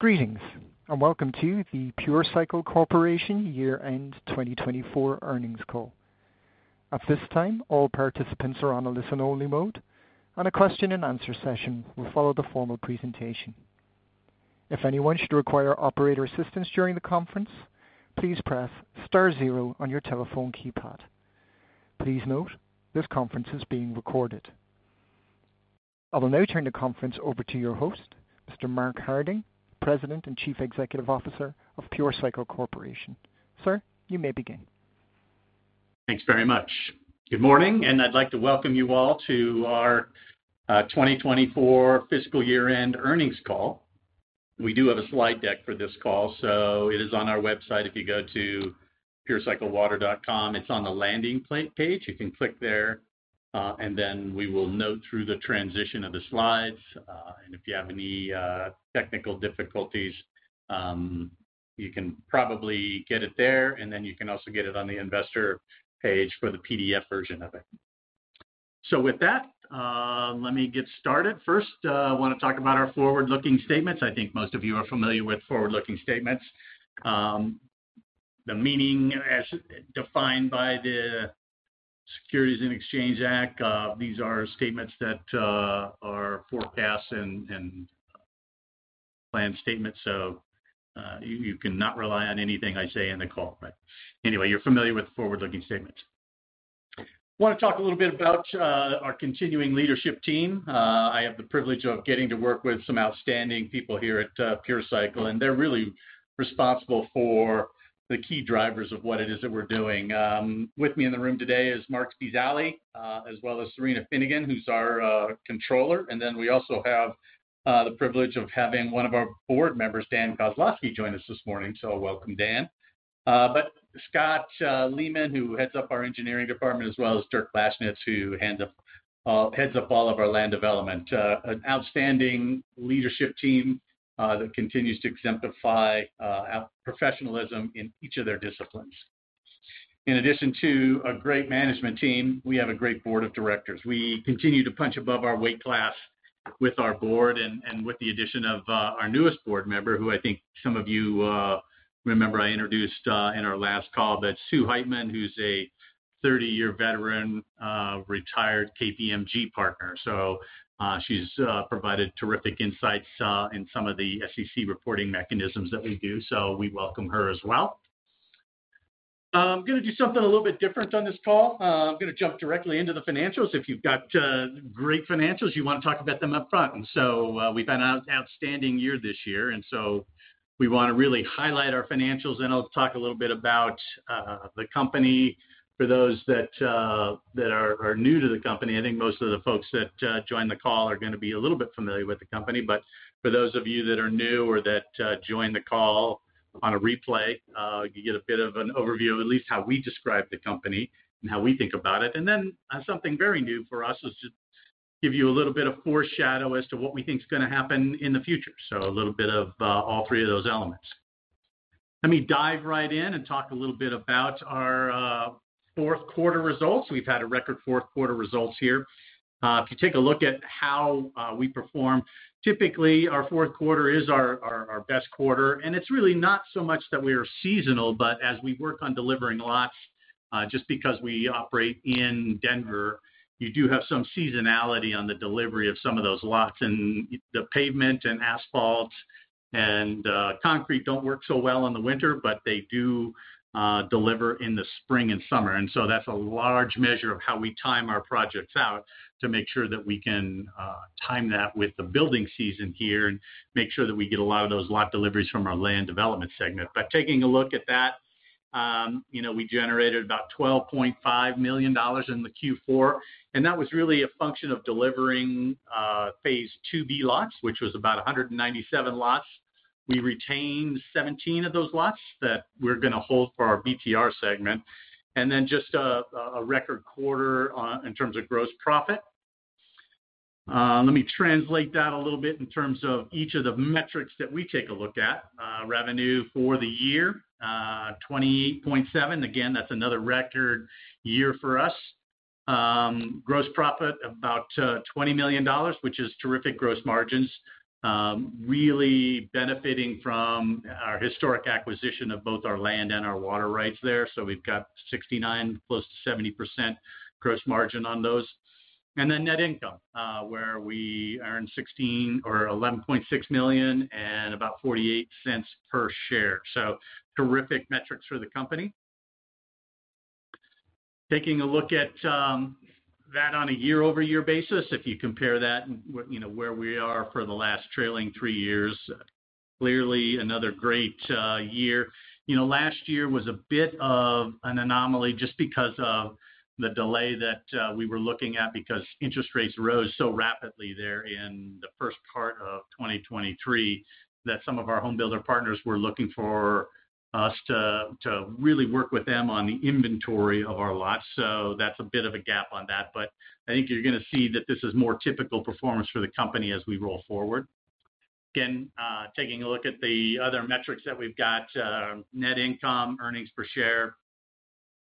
Greetings, and welcome to the Pure Cycle Corporation Year-End 2024 earnings call. At this time, all participants are on a listen-only mode, and a question-and-answer session will follow the formal presentation. If anyone should require operator assistance during the conference, please press star zero on your telephone keypad. Please note, this conference is being recorded. I will now turn the conference over to your host, Mr. Mark Harding, President and Chief Executive Officer of Pure Cycle Corporation. Sir, you may begin. Thanks very much. Good morning, and I'd like to welcome you all to our 2024 fiscal year-end earnings call. We do have a slide deck for this call, so it is on our website. If you go to purecyclecorp.com, it's on the landing page. You can click there, and then we will note through the transition of the slides, and if you have any technical difficulties, you can probably get it there, and then you can also get it on the investor page for the PDF version of it, so with that, let me get started. First, I want to talk about our forward-looking statements. I think most of you are familiar with forward-looking statements. The meaning as defined by the Securities and Exchange Act, these are statements that are forecasts and planned statements, so you cannot rely on anything I say in the call. But anyway, you're familiar with forward-looking statements. I want to talk a little bit about our continuing leadership team. I have the privilege of getting to work with some outstanding people here at Pure Cycle, and they're really responsible for the key drivers of what it is that we're doing. With me in the room today is Marc Spezialy, as well as Cyrena Finnegan, who's our controller. And then we also have the privilege of having one of our board members, Dan Kozlowski, join us this morning, so welcome, Dan. But Scott Lehman, who heads up our engineering department, as well as Dirk Lashnits, who heads up all of our land development. An outstanding leadership team that continues to exemplify professionalism in each of their disciplines. In addition to a great management team, we have a great board of directors. We continue to punch above our weight class with our board, and with the addition of our newest board member, who I think some of you remember I introduced in our last call, but Susan Heitmann, who's a 30-year veteran, retired KPMG partner, so she's provided terrific insights in some of the SEC reporting mechanisms that we do, so we welcome her as well. I'm going to do something a little bit different on this call. I'm going to jump directly into the financials. If you've got great financials, you want to talk about them upfront, and so we've had an outstanding year this year, and so we want to really highlight our financials, and I'll talk a little bit about the company for those that are new to the company. I think most of the folks that join the call are going to be a little bit familiar with the company, but for those of you that are new or that joined the call on a replay, you get a bit of an overview of at least how we describe the company and how we think about it, and then something very new for us is to give you a little bit of foreshadow as to what we think is going to happen in the future, so a little bit of all three of those elements. Let me dive right in and talk a little bit about our fourth quarter results. We've had a record fourth quarter results here. If you take a look at how we perform, typically our fourth quarter is our best quarter. And it's really not so much that we are seasonal, but as we work on delivering lots, just because we operate in Denver, you do have some seasonality on the delivery of some of those lots. And the pavement and asphalt and concrete don't work so well in the winter, but they do deliver in the spring and summer. And so that's a large measure of how we time our projects out to make sure that we can time that with the building season here and make sure that we get a lot of those lot deliveries from our land development segment. But taking a look at that, we generated about $12.5 million in the Q4, and that was really a function of delivering Phase II-B lots, which was about 197 lots. We retained 17 of those lots that we're going to hold for our BTR segment. And then just a record quarter in terms of gross profit. Let me translate that a little bit in terms of each of the metrics that we take a look at. Revenue for the year, $28.7 million. Again, that's another record year for us. Gross profit about $20 million, which is terrific gross margins, really benefiting from our historic acquisition of both our land and our water rights there. So we've got 69%, close to 70% gross margin on those. And then net income, where we earned $16 million or $11.6 million and about $0.48 per share. So terrific metrics for the company. Taking a look at that on a year-over-year basis, if you compare that where we are for the last trailing three years, clearly another great year. Last year was a bit of an anomaly just because of the delay that we were looking at because interest rates rose so rapidly there in the first part of 2023 that some of our home builder partners were looking for us to really work with them on the inventory of our lots. So that's a bit of a gap on that. But I think you're going to see that this is more typical performance for the company as we roll forward. Again, taking a look at the other metrics that we've got, net income, earnings per share,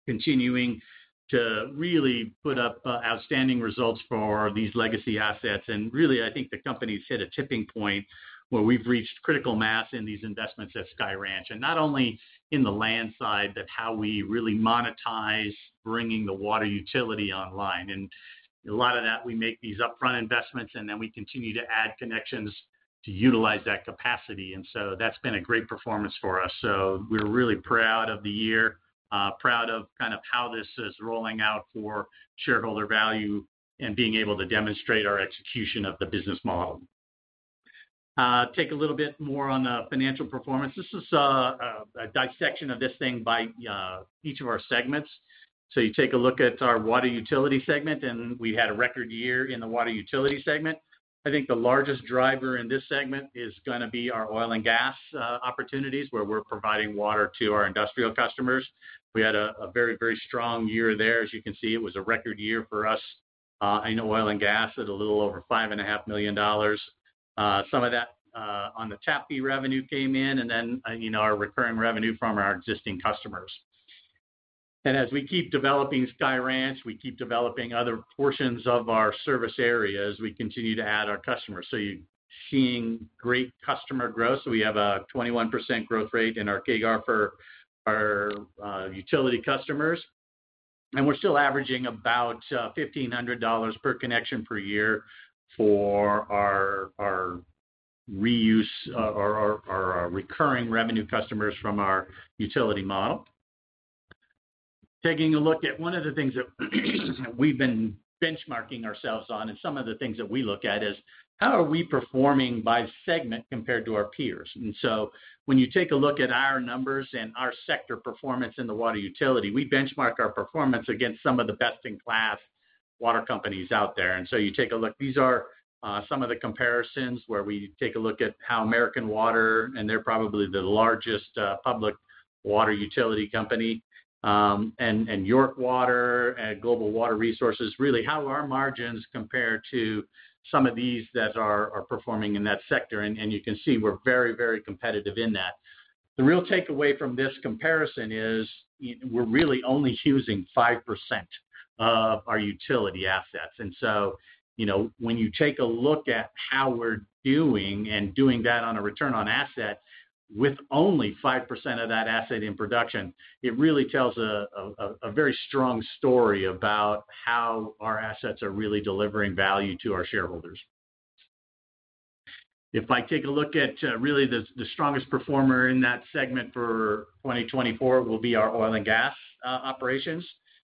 continuing to really put up outstanding results for these legacy assets. And really, I think the company's hit a tipping point where we've reached critical mass in these investments at Sky Ranch. And not only in the land side, but how we really monetize bringing the water utility online. And a lot of that, we make these upfront investments, and then we continue to add connections to utilize that capacity. And so that's been a great performance for us. So we're really proud of the year, proud of kind of how this is rolling out for shareholder value and being able to demonstrate our execution of the business model. Take a little bit more on the financial performance. This is a dissection of this thing by each of our segments. So you take a look at our water utility segment, and we had a record year in the water utility segment. I think the largest driver in this segment is going to be our oil and gas opportunities where we're providing water to our industrial customers. We had a very, very strong year there. As you can see, it was a record year for us in oil and gas at a little over $5.5 million. Some of that on the tap fee revenue came in, and then our recurring revenue from our existing customers. As we keep developing Sky Ranch, we keep developing other portions of our service areas as we continue to add our customers. You're seeing great customer growth. We have a 21% growth rate in our CAGR for our utility customers. We're still averaging about $1,500 per connection per year for our reuse or our recurring revenue customers from our utility model. Taking a look at one of the things that we've been benchmarking ourselves on, and some of the things that we look at is how are we performing by segment compared to our peers. And so when you take a look at our numbers and our sector performance in the water utility, we benchmark our performance against some of the best-in-class water companies out there. And so you take a look, these are some of the comparisons where we take a look at how American Water, and they're probably the largest public water utility company, and York Water, and Global Water Resources, really how our margins compare to some of these that are performing in that sector. And you can see we're very, very competitive in that. The real takeaway from this comparison is we're really only using 5% of our utility assets. And so when you take a look at how we're doing and doing that on a return on asset with only 5% of that asset in production, it really tells a very strong story about how our assets are really delivering value to our shareholders. If I take a look at really the strongest performer in that segment for 2024, it will be our oil and gas operations.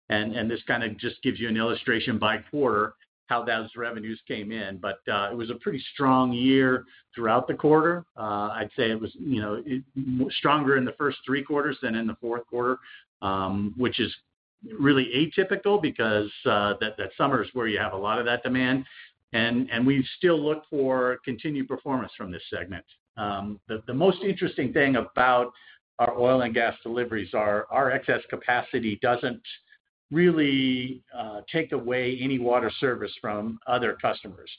And this kind of just gives you an illustration by quarter how those revenues came in. But it was a pretty strong year throughout the quarter. I'd say it was stronger in the first three quarters than in the fourth quarter, which is really atypical because that summer is where you have a lot of that demand. And we've still looked for continued performance from this segment. The most interesting thing about our oil and gas deliveries is our excess capacity doesn't really take away any water service from other customers.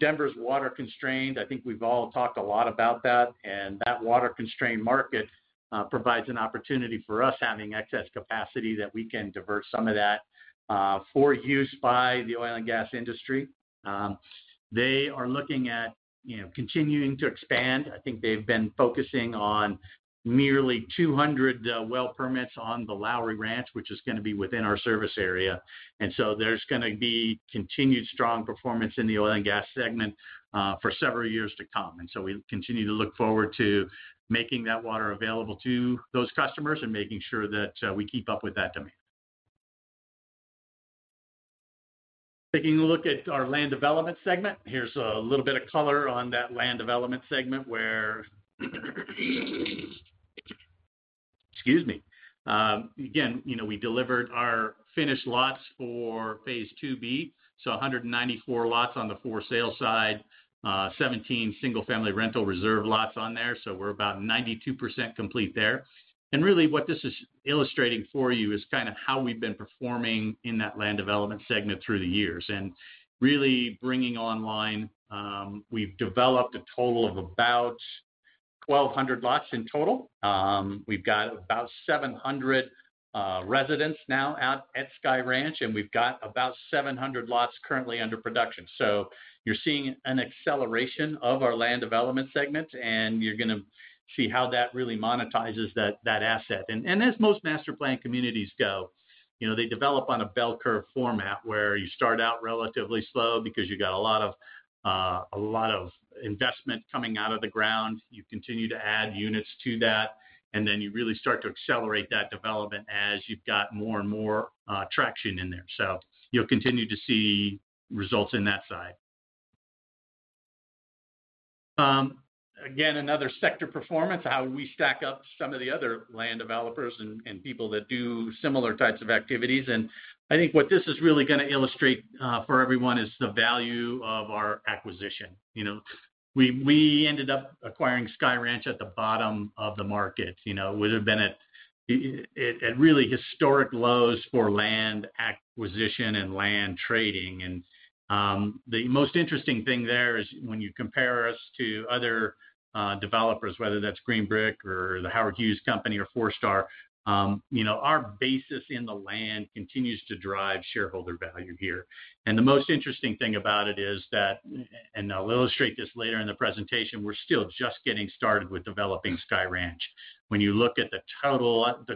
Denver's water-constrained, I think we've all talked a lot about that, and that water-constrained market provides an opportunity for us having excess capacity that we can divert some of that for use by the oil and gas industry. They are looking at continuing to expand. I think they've been focusing on merely 200 well permits on the Lowry Range, which is going to be within our service area, and so there's going to be continued strong performance in the oil and gas segment for several years to come, and so we continue to look forward to making that water available to those customers and making sure that we keep up with that demand. Taking a look at our land development segment. Here's a little bit of color on that land development segment, where, excuse me. Again, we delivered our finished lots for Phase II-B, so 194 lots on the for-sale side, 17 single-family rental reserve lots on there. So we're about 92% complete there. And really what this is illustrating for you is kind of how we've been performing in that land development segment through the years. And really bringing online, we've developed a total of about 1,200 lots in total. We've got about 700 residents now out at Sky Ranch, and we've got about 700 lots currently under production. So you're seeing an acceleration of our land development segment, and you're going to see how that really monetizes that asset. And as most master plan communities go, they develop on a bell curve format where you start out relatively slow because you've got a lot of investment coming out of the ground. You continue to add units to that, and then you really start to accelerate that development as you've got more and more traction in there. So you'll continue to see results in that side. Again, another sector performance, how we stack up some of the other land developers and people that do similar types of activities. And I think what this is really going to illustrate for everyone is the value of our acquisition. We ended up acquiring Sky Ranch at the bottom of the market. We would have been at really historic lows for land acquisition and land trading. And the most interesting thing there is when you compare us to other developers, whether that's Green Brick or the Howard Hughes Company or Forestar, our basis in the land continues to drive shareholder value here. And the most interesting thing about it is that, and I'll illustrate this later in the presentation, we're still just getting started with developing Sky Ranch. When you look at the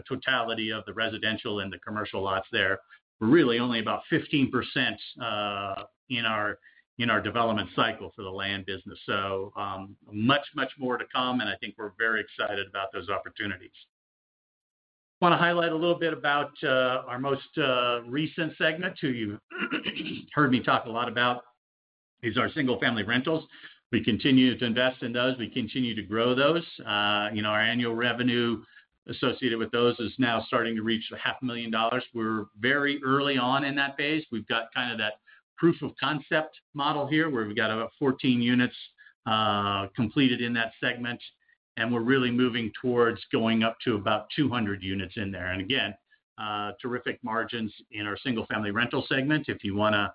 totality of the residential and the commercial lots there, we're really only about 15% in our development cycle for the land business. So much, much more to come, and I think we're very excited about those opportunities. Want to highlight a little bit about our most recent segment who you've heard me talk a lot about is our single-family rentals. We continue to invest in those. We continue to grow those. Our annual revenue associated with those is now starting to reach $500,000. We're very early on in that phase. We've got kind of that proof of concept model here where we've got about 14 units completed in that segment, and we're really moving towards going up to about 200 units in there, and again, terrific margins in our single-family rental segment. If you want to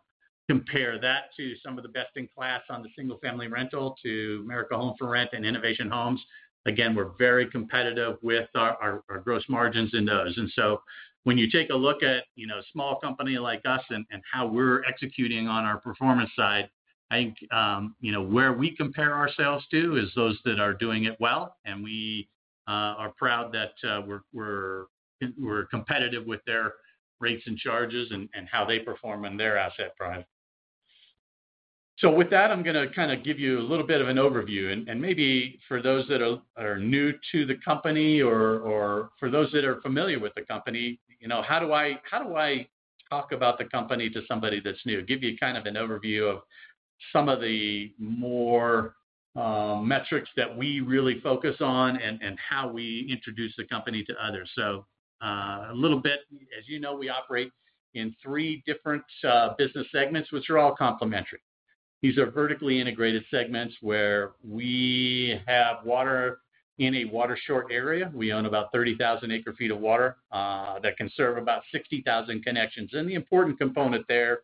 compare that to some of the best in class on the single-family rental to American Homes 4 Rent and Invitation Homes, again, we're very competitive with our gross margins in those, and so when you take a look at a small company like us and how we're executing on our performance side, I think where we compare ourselves to is those that are doing it well. And we are proud that we're competitive with their rates and charges and how they perform on their asset price. So with that, I'm going to kind of give you a little bit of an overview. And maybe for those that are new to the company or for those that are familiar with the company, how do I talk about the company to somebody that's new? Give you kind of an overview of some of the more metrics that we really focus on and how we introduce the company to others. So a little bit, as you know, we operate in three different business segments, which are all complementary. These are vertically integrated segments where we have water in a water short area. We own about 30,000 acre-feet of water that can serve about 60,000 connections. And the important component there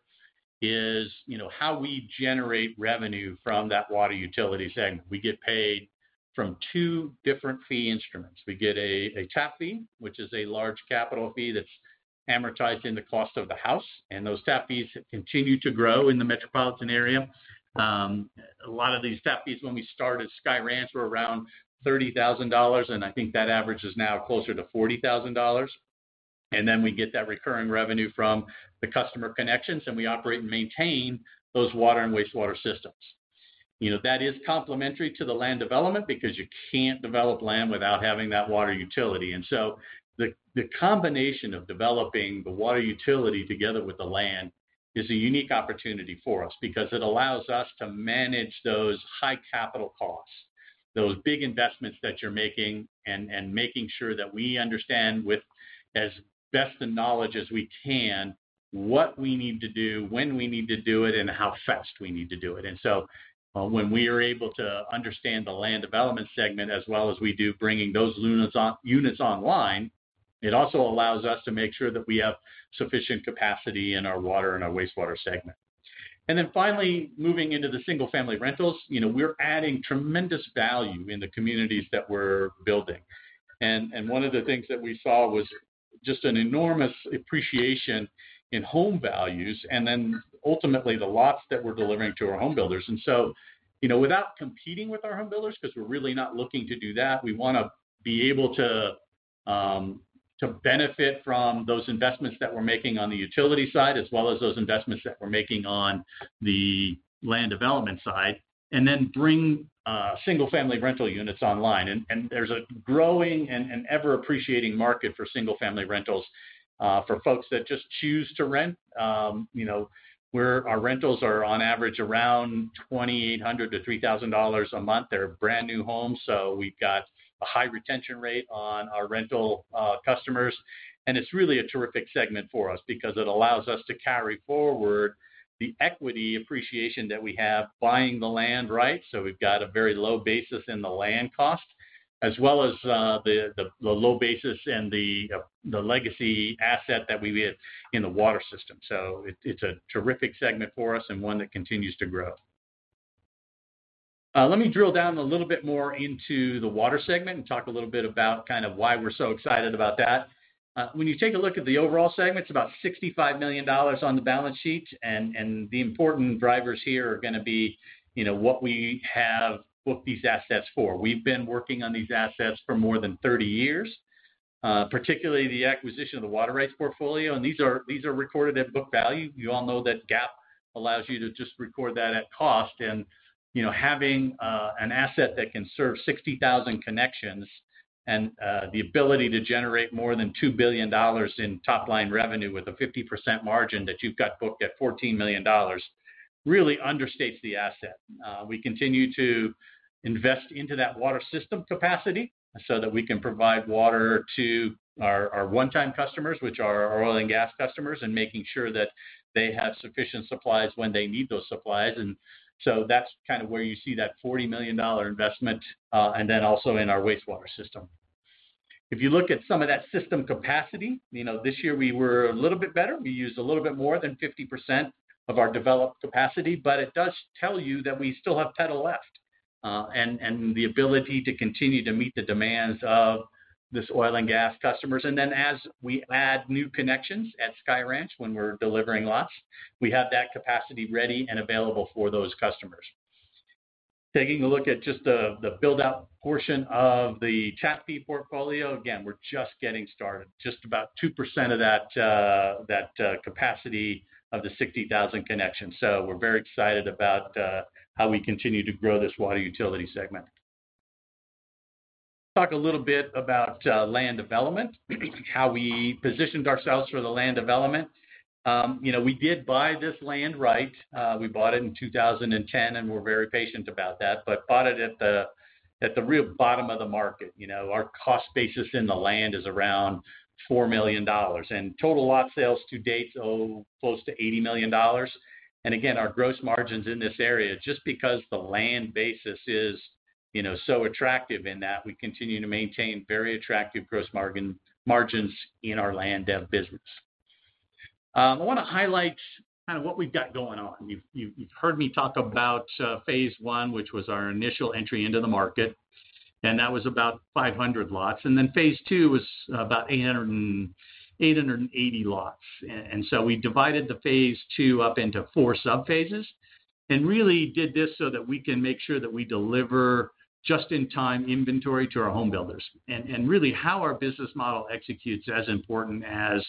is how we generate revenue from that water utility segment. We get paid from two different fee instruments. We get a tap fee, which is a large capital fee that's amortized in the cost of the house. And those tap fees continue to grow in the metropolitan area. A lot of these tap fees when we started Sky Ranch were around $30,000, and I think that average is now closer to $40,000. And then we get that recurring revenue from the customer connections, and we operate and maintain those water and wastewater systems. That is complementary to the land development because you can't develop land without having that water utility. The combination of developing the water utility together with the land is a unique opportunity for us because it allows us to manage those high capital costs, those big investments that you're making, and making sure that we understand with as best a knowledge as we can what we need to do, when we need to do it, and how fast we need to do it. When we are able to understand the land development segment as well as we do bringing those units online, it also allows us to make sure that we have sufficient capacity in our water and our wastewater segment. Finally, moving into the single-family rentals, we're adding tremendous value in the communities that we're building. One of the things that we saw was just an enormous appreciation in home values and then ultimately the lots that we're delivering to our home builders. Without competing with our home builders, because we're really not looking to do that, we want to be able to benefit from those investments that we're making on the utility side as well as those investments that we're making on the land development side, and then bring single-family rental units online. There's a growing and ever-appreciating market for single-family rentals for folks that just choose to rent. Our rentals are on average around $2,800-$3,000 a month. They're brand new homes, so we've got a high retention rate on our rental customers. It's really a terrific segment for us because it allows us to carry forward the equity appreciation that we have buying the land, right? So we've got a very low basis in the land cost as well as the low basis and the legacy asset that we have in the water system. So it's a terrific segment for us and one that continues to grow. Let me drill down a little bit more into the water segment and talk a little bit about kind of why we're so excited about that. When you take a look at the overall segment, it's about $65 million on the balance sheet. And the important drivers here are going to be what we have booked these assets for. We've been working on these assets for more than 30 years, particularly the acquisition of the water rights portfolio. And these are recorded at book value. You all know that GAAP allows you to just record that at cost. Having an asset that can serve 60,000 connections and the ability to generate more than $2 billion in top-line revenue with a 50% margin that you've got booked at $14 million really understates the asset. We continue to invest into that water system capacity so that we can provide water to our one-time customers, which are our oil and gas customers, and making sure that they have sufficient supplies when they need those supplies. That's kind of where you see that $40 million investment and then also in our wastewater system. If you look at some of that system capacity, this year we were a little bit better. We used a little bit more than 50% of our developed capacity, but it does tell you that we still have plenty left and the ability to continue to meet the demands of this oil and gas customers. And then as we add new connections at Sky Ranch when we're delivering lots, we have that capacity ready and available for those customers. Taking a look at just the build-out portion of the tap fee portfolio, again, we're just getting started. Just about 2% of that capacity of the 60,000 connections. So we're very excited about how we continue to grow this water utility segment. Let's talk a little bit about land development, how we positioned ourselves for the land development. We did buy this land, right? We bought it in 2010 and were very patient about that, but bought it at the real bottom of the market. Our cost basis in the land is around $4 million. And total lot sales to date are close to $80 million. And again, our gross margins in this area, just because the land basis is so attractive in that, we continue to maintain very attractive gross margins in our land dev business. I want to highlight kind of what we've got going on. You've heard me talk about Phase I, which was our initial entry into the market, and that was about 500 lots. And then Phase II was about 880 lots. And so we divided the Phase II up into four sub-phases and really did this so that we can make sure that we deliver just-in-time inventory to our home builders. And really how our business model executes is as important as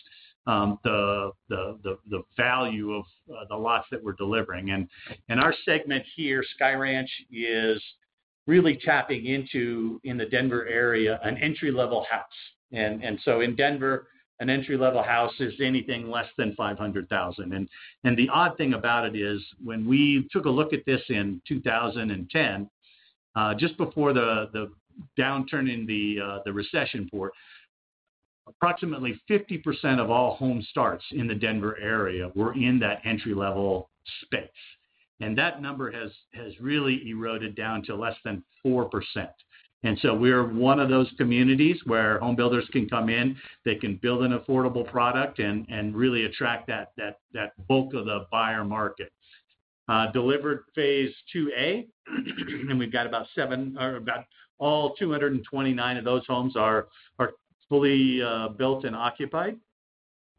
the value of the lots that we're delivering. And our segment here, Sky Ranch, is really tapping into in the Denver area an entry-level house. And so in Denver, an entry-level house is anything less than $500,000. And the odd thing about it is, when we took a look at this in 2010, just before the downturn in the recession for it, approximately 50% of all home starts in the Denver area were in that entry-level space. And that number has really eroded down to less than 4%. And so we're one of those communities where home builders can come in, they can build an affordable product, and really attract that bulk of the buyer market. Delivered Phase II-A, and we've got about all 229 of those homes are fully built and occupied.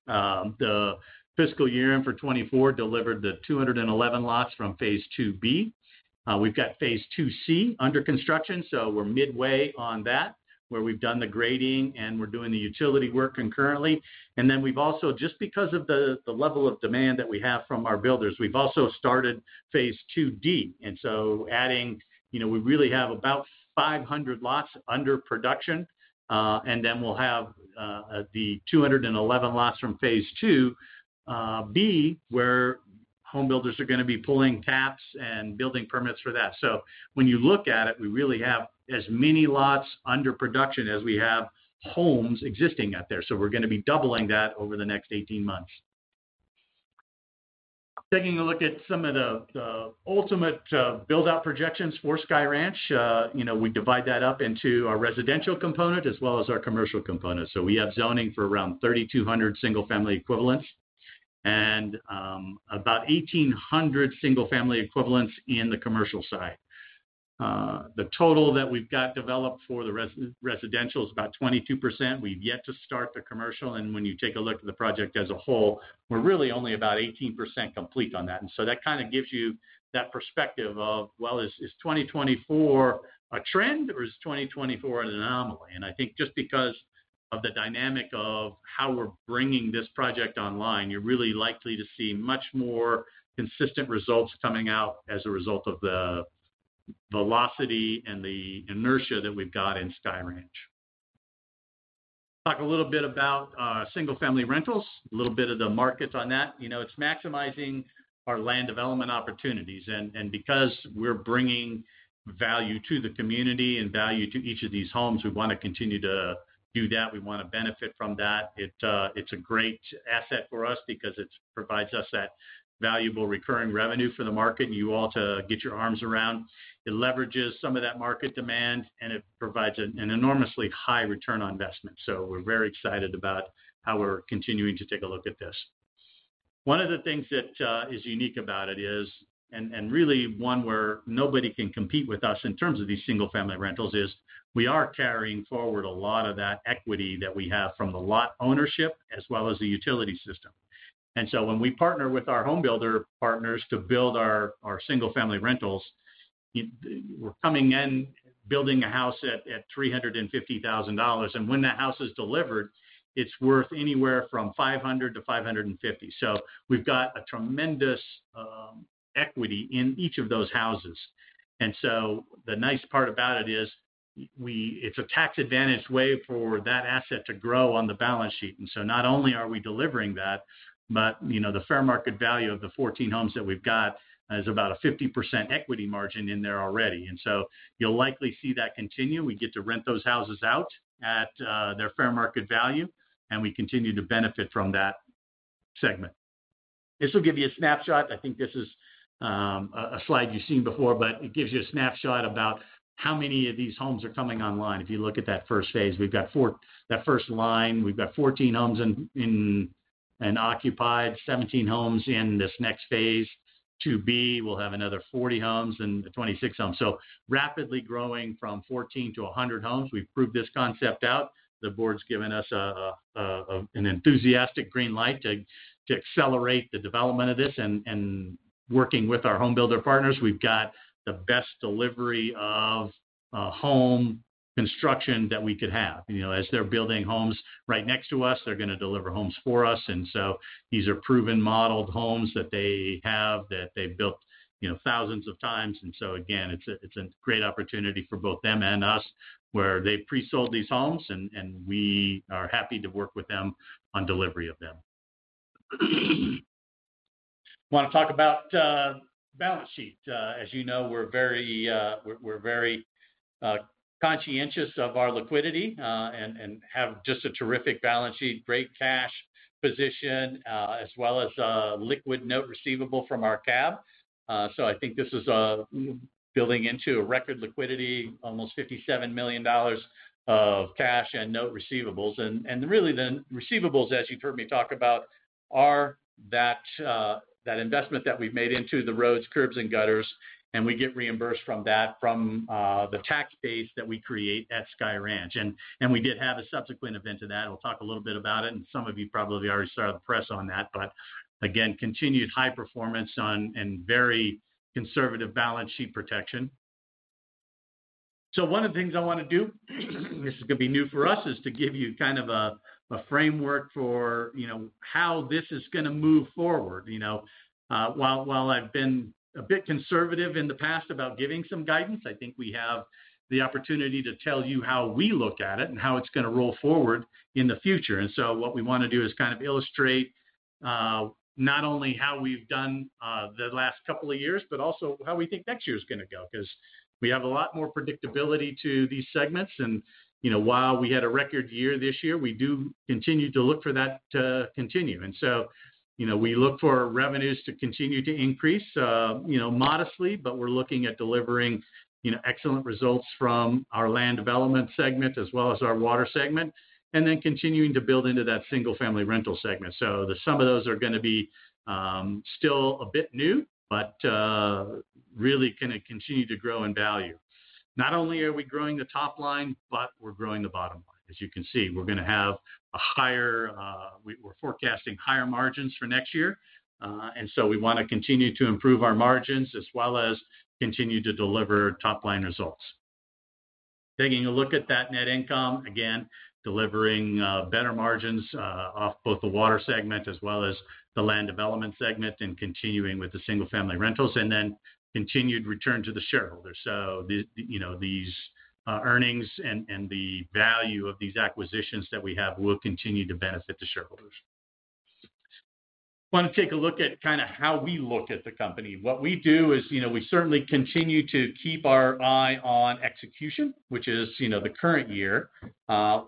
The fiscal year-end for 2024 delivered the 211 lots from Phase II-B. We've got Phase II-C under construction, so we're midway on that where we've done the grading and we're doing the utility work concurrently. And then we've also, just because of the level of demand that we have from our builders, we've also started Phase II-D. And so adding, we really have about 500 lots under production. And then we'll have the 211 lots from Phase II-B where home builders are going to be pulling taps and building permits for that. So when you look at it, we really have as many lots under production as we have homes existing out there. So we're going to be doubling that over the next 18 months. Taking a look at some of the ultimate build-out projections for Sky Ranch, we divide that up into our residential component as well as our commercial component. So we have zoning for around 3,200 single-family equivalents and about 1,800 single-family equivalents in the commercial side. The total that we've got developed for the residential is about 22%. We've yet to start the commercial, and when you take a look at the project as a whole, we're really only about 18% complete on that, and so that kind of gives you that perspective of, well, is 2024 a trend or is 2024 an anomaly? And I think just because of the dynamic of how we're bringing this project online, you're really likely to see much more consistent results coming out as a result of the velocity and the inertia that we've got in Sky Ranch. Talk a little bit about single-family rentals, a little bit of the market on that. It's maximizing our land development opportunities, and because we're bringing value to the community and value to each of these homes, we want to continue to do that. We want to benefit from that. It's a great asset for us because it provides us that valuable recurring revenue for the market and you all to get your arms around. It leverages some of that market demand and it provides an enormously high return on investment, so we're very excited about how we're continuing to take a look at this. One of the things that is unique about it is, and really one where nobody can compete with us in terms of these single-family rentals, is we are carrying forward a lot of that equity that we have from the lot ownership as well as the utility system, and so when we partner with our home builder partners to build our single-family rentals, we're coming in building a house at $350,000, and when that house is delivered, it's worth anywhere from $500-$550. So we've got a tremendous equity in each of those houses. And so the nice part about it is it's a tax-advantaged way for that asset to grow on the balance sheet. And so not only are we delivering that, but the fair market value of the 14 homes that we've got is about a 50% equity margin in there already. And so you'll likely see that continue. We get to rent those houses out at their fair market value, and we continue to benefit from that segment. This will give you a snapshot. I think this is a slide you've seen before, but it gives you a snapshot about how many of these homes are coming online. If you look at that first phase, we've got that first line, we've got 14 homes occupied, 17 homes in this next phase. II-B, we'll have another 40 homes and 26 homes. So rapidly growing from 14 to 100 homes. We've proved this concept out. The board's given us an enthusiastic green light to accelerate the development of this. And working with our home builder partners, we've got the best delivery of home construction that we could have. As they're building homes right next to us, they're going to deliver homes for us. And so these are proven modeled homes that they have that they've built thousands of times. And so again, it's a great opportunity for both them and us where they've pre-sold these homes, and we are happy to work with them on delivery of them. Want to talk about balance sheet. As you know, we're very conscientious of our liquidity and have just a terrific balance sheet, great cash position, as well as a liquid note receivable from our CAB. So I think this is building into a record liquidity, almost $57 million of cash and note receivables. And really, the receivables, as you've heard me talk about, are that investment that we've made into the roads, curbs, and gutters, and we get reimbursed from that from the tax base that we create at Sky Ranch. And we did have a subsequent event to that. We'll talk a little bit about it, and some of you probably already started the press on that, but again, continued high performance and very conservative balance sheet protection. So one of the things I want to do, this is going to be new for us, is to give you kind of a framework for how this is going to move forward. While I've been a bit conservative in the past about giving some guidance, I think we have the opportunity to tell you how we look at it and how it's going to roll forward in the future. And so what we want to do is kind of illustrate not only how we've done the last couple of years, but also how we think next year is going to go because we have a lot more predictability to these segments. And while we had a record year this year, we do continue to look for that to continue. And so we look for revenues to continue to increase modestly, but we're looking at delivering excellent results from our land development segment as well as our water segment, and then continuing to build into that single-family rental segment. Some of those are going to be still a bit new, but really going to continue to grow in value. Not only are we growing the top line, but we're growing the bottom line. As you can see, we're forecasting higher margins for next year. We want to continue to improve our margins as well as continue to deliver top-line results. Taking a look at that net income, again, delivering better margins off both the water segment as well as the land development segment and continuing with the single-family rentals and then continued return to the shareholders. These earnings and the value of these acquisitions that we have will continue to benefit the shareholders. Want to take a look at kind of how we look at the company. What we do is we certainly continue to keep our eye on execution, which is the current year.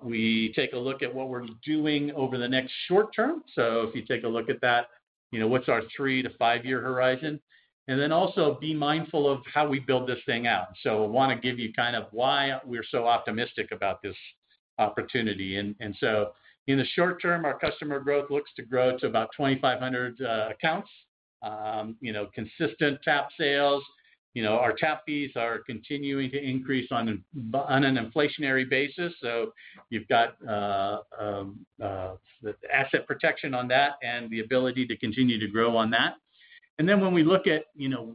We take a look at what we're doing over the next short term. So if you take a look at that, what's our three to five-year horizon? And then also be mindful of how we build this thing out. So I want to give you kind of why we're so optimistic about this opportunity. And so in the short term, our customer growth looks to grow to about 2,500 accounts, consistent tap sales. Our tap fees are continuing to increase on an inflationary basis. So you've got asset protection on that and the ability to continue to grow on that. And then when we look at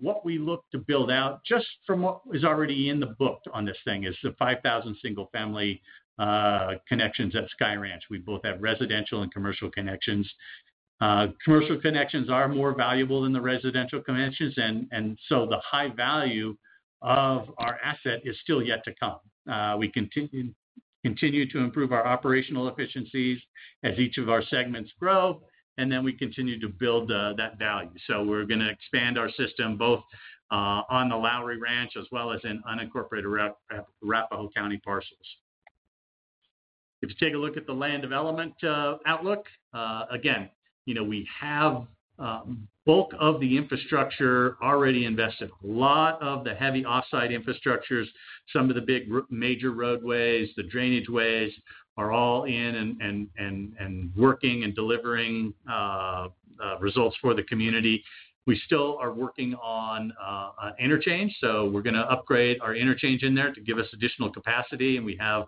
what we look to build out, just from what is already in the book on this thing is the 5,000 single-family connections at Sky Ranch. We both have residential and commercial connections. Commercial connections are more valuable than the residential connections, and so the high value of our asset is still yet to come. We continue to improve our operational efficiencies as each of our segments grow, and then we continue to build that value. So we're going to expand our system both on the Lowry Ranch as well as in unincorporated Arapahoe County parcels. If you take a look at the land development outlook, again, we have bulk of the infrastructure already invested. A lot of the heavy offsite infrastructures, some of the big major roadways, the drainage ways are all in and working and delivering results for the community. We still are working on interchange. So we're going to upgrade our interchange in there to give us additional capacity. And we have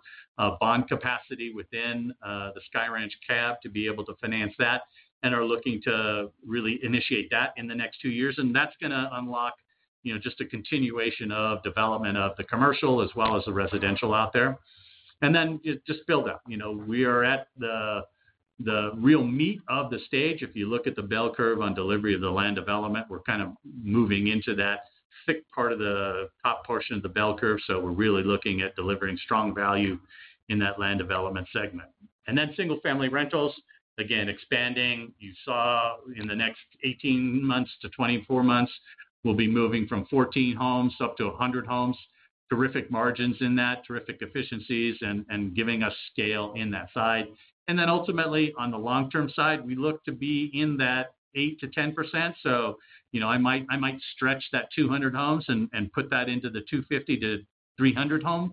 bond capacity within the Sky Ranch CAB to be able to finance that and are looking to really initiate that in the next two years. And that's going to unlock just a continuation of development of the commercial as well as the residential out there. And then just build up. We are at the real meat of the stage. If you look at the bell curve on delivery of the land development, we're kind of moving into that thick part of the top portion of the bell curve. So we're really looking at delivering strong value in that land development segment. And then single-family rentals, again, expanding. You saw in the next 18-24 months, we'll be moving from 14 homes up to 100 homes. Terrific margins in that, terrific efficiencies and giving us scale in that side. And then ultimately, on the long-term side, we look to be in that 8%-10%. So I might stretch that 200 homes and put that into the 250-300-home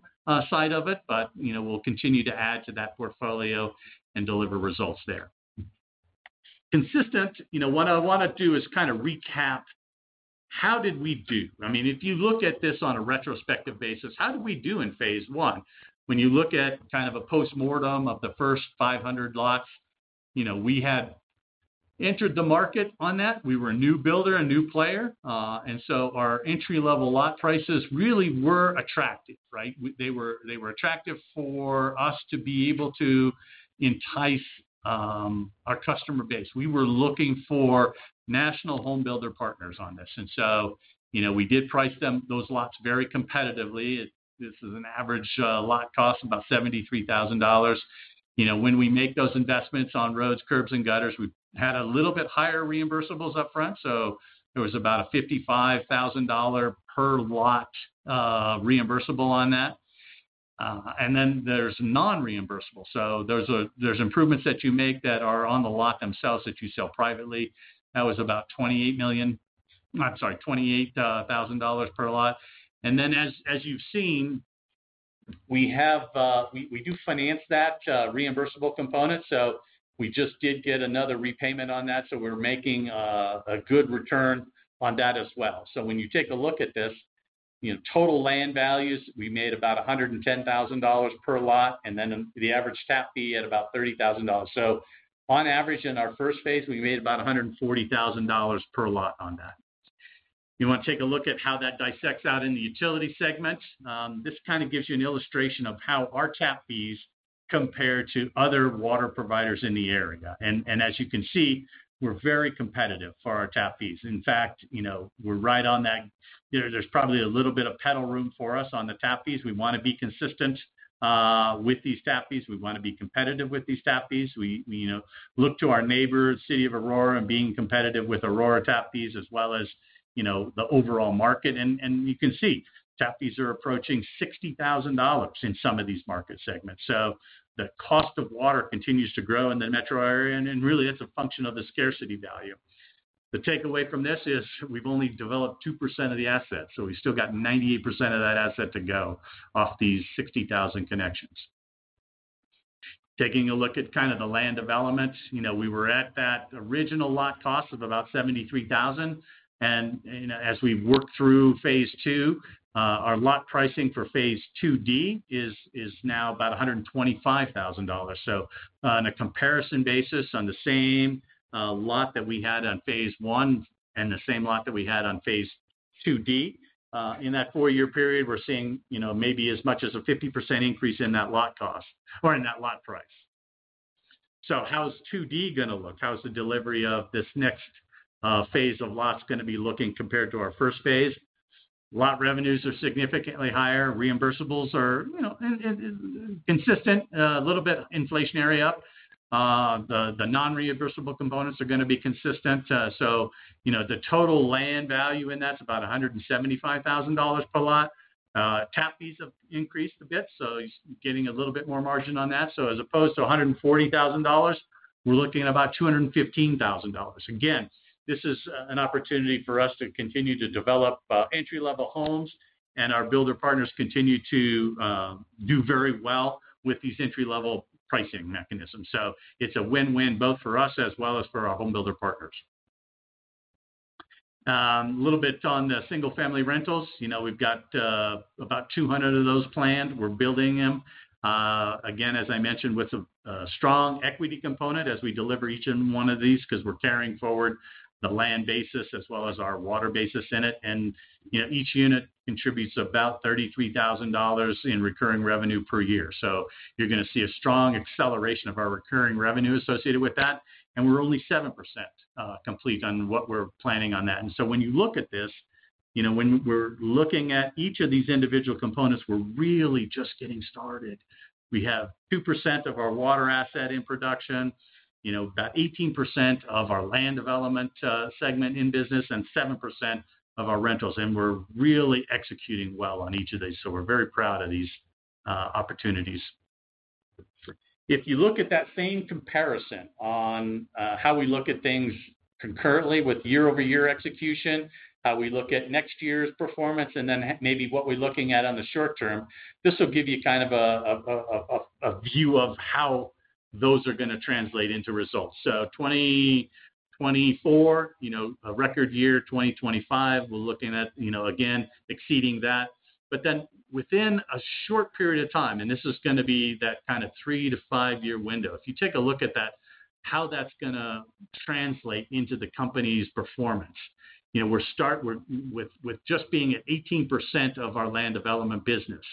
side of it, but we'll continue to add to that portfolio and deliver results there. Consistent, what I want to do is kind of recap how did we do. I mean, if you look at this on a retrospective basis, how did we do in Phase I? When you look at kind of a post-mortem of the first 500 lots, we had entered the market on that. We were a new builder, a new player. And so our entry-level lot prices really were attractive, right? They were attractive for us to be able to entice our customer base. We were looking for national home builder partners on this. And so we did price those lots very competitively. This is an average lot cost of about $73,000. When we make those investments on roads, curbs, and gutters, we've had a little bit higher reimbursables upfront, so there was about a $55,000 per lot reimbursable on that, and then there's non-reimbursable, so there's improvements that you make that are on the lot themselves that you sell privately. That was about $28 million. I'm sorry, $28,000 per lot, and then as you've seen, we do finance that reimbursable component, so we just did get another repayment on that, so we're making a good return on that as well, so when you take a look at this, total land values, we made about $110,000 per lot, and then the average tap fee at about $30,000, so on average, in our first phase, we made about $140,000 per lot on that. You want to take a look at how that dissects out in the utility segments. This kind of gives you an illustration of how our tap fees compare to other water providers in the area, and as you can see, we're very competitive for our tap fees. In fact, we're right on that. There's probably a little bit of wiggle room for us on the tap fees. We want to be consistent with these tap fees. We want to be competitive with these tap fees. We look to our neighbors, City of Aurora, and being competitive with Aurora tap fees as well as the overall market, and you can see tap fees are approaching $60,000 in some of these market segments, so the cost of water continues to grow in the metro area, and really, it's a function of the scarcity value. The takeaway from this is we've only developed 2% of the assets. So we've still got 98% of that asset to go off these 60,000 connections. Taking a look at kind of the land development, we were at that original lot cost of about $73,000. And as we work through Phase II, our lot pricing for Phase II-D is now about $125,000. So on a comparison basis, on the same lot that we had on Phase I and the same lot that we had on Phase II-D, in that four-year period, we're seeing maybe as much as a 50% increase in that lot cost or in that lot price. So how's II-D going to look? How's the delivery of this next phase of lots going to be looking compared to our first phase? Lot revenues are significantly higher. Reimbursables are consistent, a little bit inflationary up. The non-reimbursable components are going to be consistent. So the total land value in that is about $175,000 per lot. Tap fees have increased a bit, so getting a little bit more margin on that. So as opposed to $140,000, we're looking at about $215,000. Again, this is an opportunity for us to continue to develop entry-level homes, and our builder partners continue to do very well with these entry-level pricing mechanisms. So it's a win-win both for us as well as for our home builder partners. A little bit on the single-family rentals. We've got about 200 of those planned. We're building them. Again, as I mentioned, with a strong equity component as we deliver each and one of these because we're carrying forward the land basis as well as our water basis in it. And each unit contributes about $33,000 in recurring revenue per year. So, you're going to see a strong acceleration of our recurring revenue associated with that. And we're only 7% complete on what we're planning on that. And so when you look at this, when we're looking at each of these individual components, we're really just getting started. We have 2% of our water asset in production, about 18% of our land development segment in business, and 7% of our rentals. And we're really executing well on each of these. So we're very proud of these opportunities. If you look at that same comparison on how we look at things concurrently with year-over-year execution, how we look at next year's performance, and then maybe what we're looking at on the short term, this will give you kind of a view of how those are going to translate into results. So, 2024, a record year, 2025, we're looking at, again, exceeding that. But then within a short period of time, and this is going to be that kind of three to five-year window, if you take a look at that, how that's going to translate into the company's performance. We're just being at 18% of our land development business.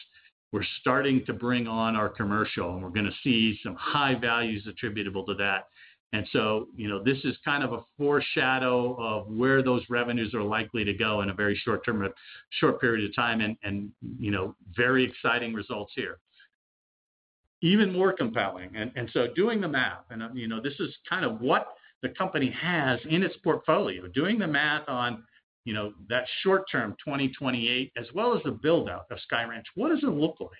We're starting to bring on our commercial, and we're going to see some high values attributable to that. And so this is kind of a foreshadow of where those revenues are likely to go in a very short period of time and very exciting results here. Even more compelling. And so doing the math, and this is kind of what the company has in its portfolio. Doing the math on that short term, 2028, as well as the build-up of Sky Ranch, what does it look like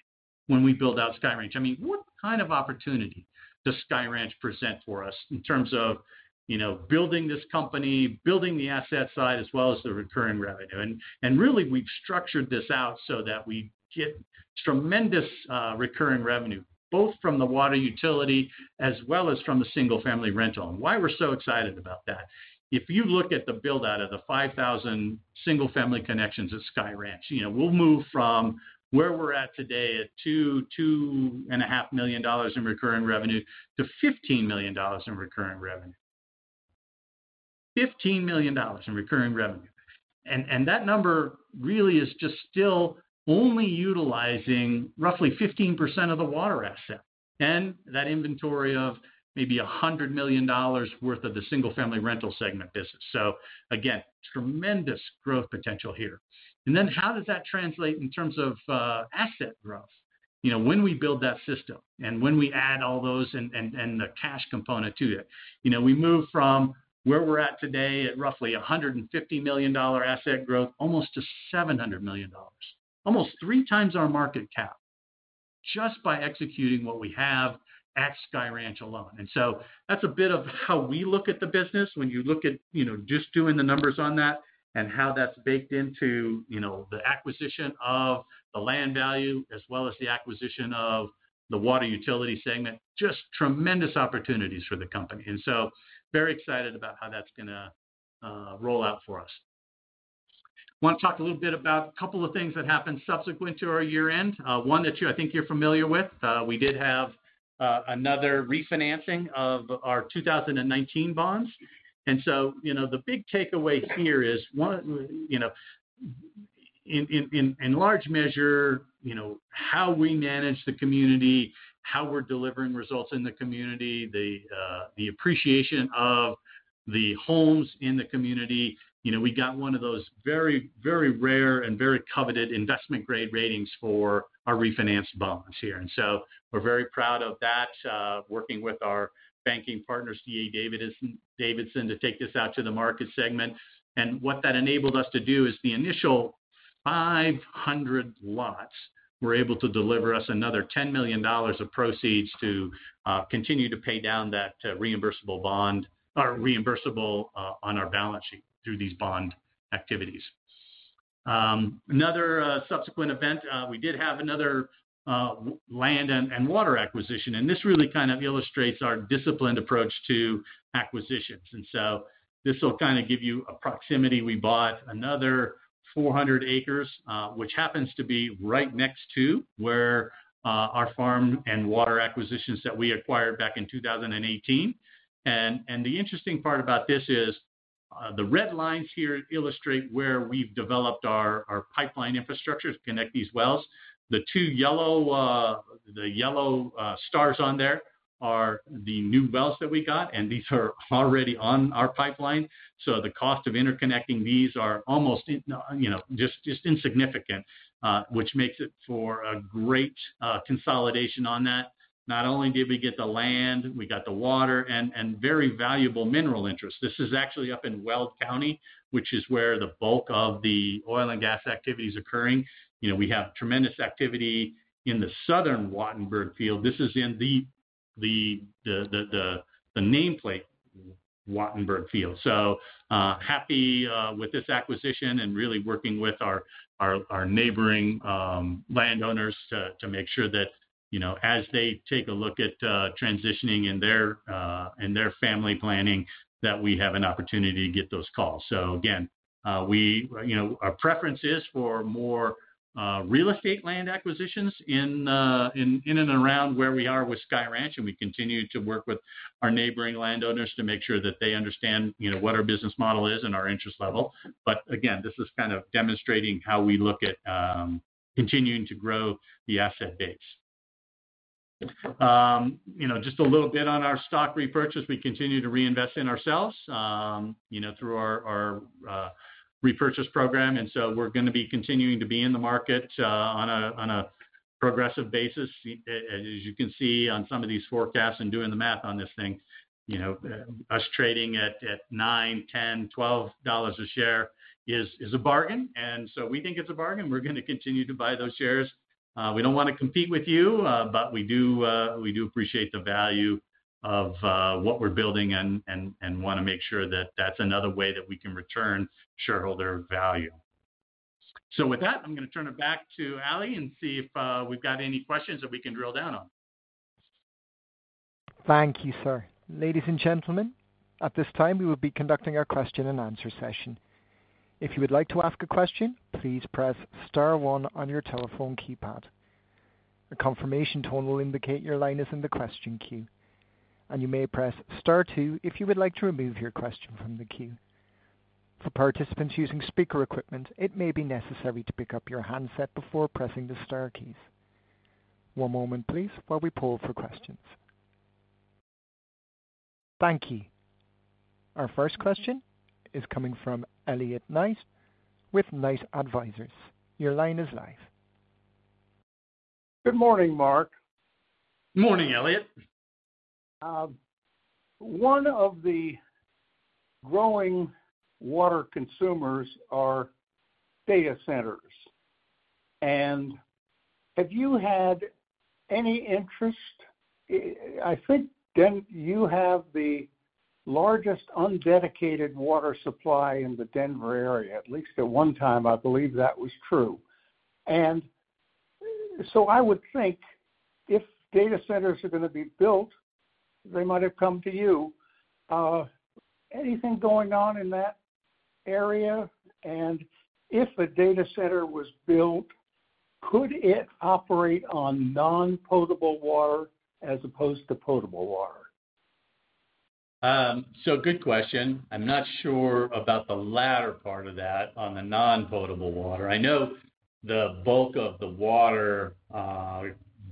when we build out Sky Ranch? I mean, what kind of opportunity does Sky Ranch present for us in terms of building this company, building the asset side as well as the recurring revenue? And really, we've structured this out so that we get tremendous recurring revenue, both from the water utility as well as from the single-family rental. And why we're so excited about that? If you look at the build-out of the 5,000 single-family connections at Sky Ranch, we'll move from where we're at today at $2.5 million in recurring revenue to $15 million in recurring revenue. $15 million in recurring revenue. And that number really is just still only utilizing roughly 15% of the water asset and that inventory of maybe $100 million worth of the single-family rental segment business. So again, tremendous growth potential here. And then how does that translate in terms of asset growth? When we build that system and when we add all those and the cash component to it, we move from where we're at today at roughly $150 million asset growth almost to $700 million, almost three times our market cap just by executing what we have at Sky Ranch alone. That's a bit of how we look at the business when you look at just doing the numbers on that and how that's baked into the acquisition of the land value as well as the acquisition of the water utility segment, just tremendous opportunities for the company. Very excited about how that's going to roll out for us. Want to talk a little bit about a couple of things that happened subsequent to our year-end, one that I think you're familiar with. We did have another refinancing of our 2019 bonds. And so the big takeaway here is, in large measure, how we manage the community, how we're delivering results in the community, the appreciation of the homes in the community. We got one of those very, very rare and very coveted investment-grade ratings for our refinanced bonds here. And so we're very proud of that, working with our banking partners, D.A. Davidson, to take this out to the market segment. And what that enabled us to do is the initial 500 lots were able to deliver us another $10 million of proceeds to continue to pay down that reimbursable bond or reimbursable on our balance sheet through these bond activities. Another subsequent event, we did have another land and water acquisition. And so this will kind of give you a proximity. We bought another 400 acres, which happens to be right next to where our farm and water acquisitions that we acquired back in 2018, and the interesting part about this is the red lines here illustrate where we've developed our pipeline infrastructure to connect these wells. The two yellow stars on there are the new wells that we got, and these are already on our pipeline, so the cost of interconnecting these are almost just insignificant, which makes it for a great consolidation on that. Not only did we get the land, we got the water and very valuable mineral interests. This is actually up in Weld County, which is where the bulk of the oil and gas activity is occurring. We have tremendous activity in the Southern Wattenberg Field. This is in the namesake Wattenberg Field. So happy with this acquisition and really working with our neighboring landowners to make sure that as they take a look at transitioning in their family planning, that we have an opportunity to get those calls. So again, our preference is for more real estate land acquisitions in and around where we are with Sky Ranch, and we continue to work with our neighboring landowners to make sure that they understand what our business model is and our interest level. But again, this is kind of demonstrating how we look at continuing to grow the asset base. Just a little bit on our stock repurchase. We continue to reinvest in ourselves through our repurchase program. And so we're going to be continuing to be in the market on a progressive basis. As you can see on some of these forecasts and doing the math on this thing, us trading at $9, $10, $12 a share is a bargain, and so we think it's a bargain. We're going to continue to buy those shares. We don't want to compete with you, but we do appreciate the value of what we're building and want to make sure that that's another way that we can return shareholder value, so with that, I'm going to turn it back to Ali and see if we've got any questions that we can drill down on. Thank you, sir. Ladies and gentlemen, at this time, we will be conducting our question-and-answer session. If you would like to ask a question, please press star one on your telephone keypad. A confirmation tone will indicate your line is in the question queue. And you may press star two if you would like to remove your question from the queue. For participants using speaker equipment, it may be necessary to pick up your handset before pressing the star keys. One moment, please, while we poll for questions. Thank you. Our first question is coming from Elliott Knight with Knight Advisors. Your line is live. Good morning, Mark. Good morning, Elliott. One of the growing water consumers are data centers. And have you had any interest? I think you have the largest undedicated water supply in the Denver area, at least at one time. I believe that was true. And so I would think if data centers are going to be built, they might have come to you. Anything going on in that area? And if a data center was built, could it operate on non-potable water as opposed to potable water? So good question. I'm not sure about the latter part of that on the non-potable water. I know the bulk of the water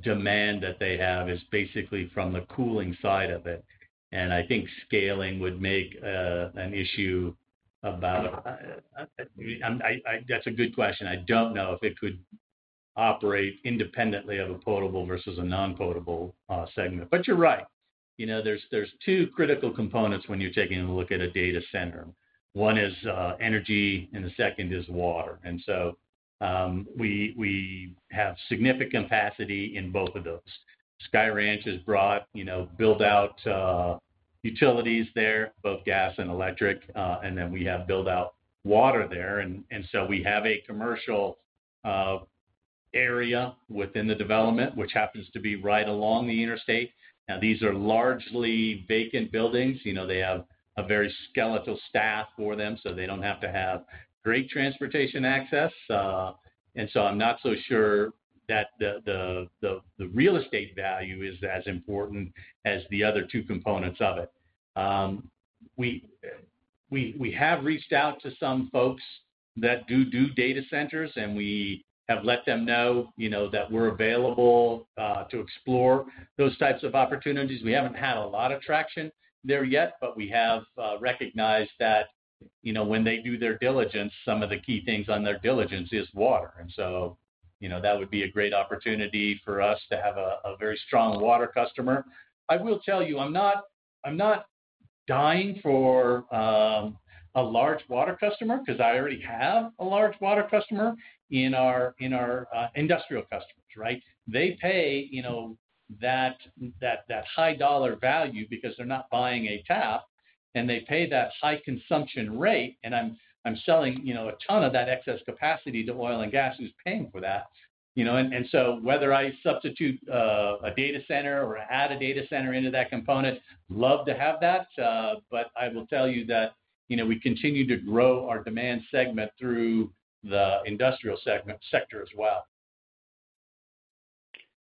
demand that they have is basically from the cooling side of it. And I think scaling would make an issue about that's a good question. I don't know if it could operate independently of a potable versus a non-potable segment. But you're right. There's two critical components when you're taking a look at a data center. One is energy, and the second is water. And so we have significant capacity in both of those. Sky Ranch has built out utilities there, both gas and electric. And then we have built out water there. And so we have a commercial area within the development, which happens to be right along the interstate. Now, these are largely vacant buildings. They have a very skeletal staff for them, so they don't have to have great transportation access, and so I'm not so sure that the real estate value is as important as the other two components of it. We have reached out to some folks that do do data centers, and we have let them know that we're available to explore those types of opportunities. We haven't had a lot of traction there yet, but we have recognized that when they do their diligence, some of the key things on their diligence is water, and so that would be a great opportunity for us to have a very strong water customer. I will tell you, I'm not dying for a large water customer because I already have a large water customer in our industrial customers, right? They pay that high dollar value because they're not buying a tap, and they pay that high consumption rate. And I'm selling a ton of that excess capacity to oil and gas who's paying for that. And so whether I substitute a data center or add a data center into that component, I'd love to have that. But I will tell you that we continue to grow our demand segment through the industrial sector as well.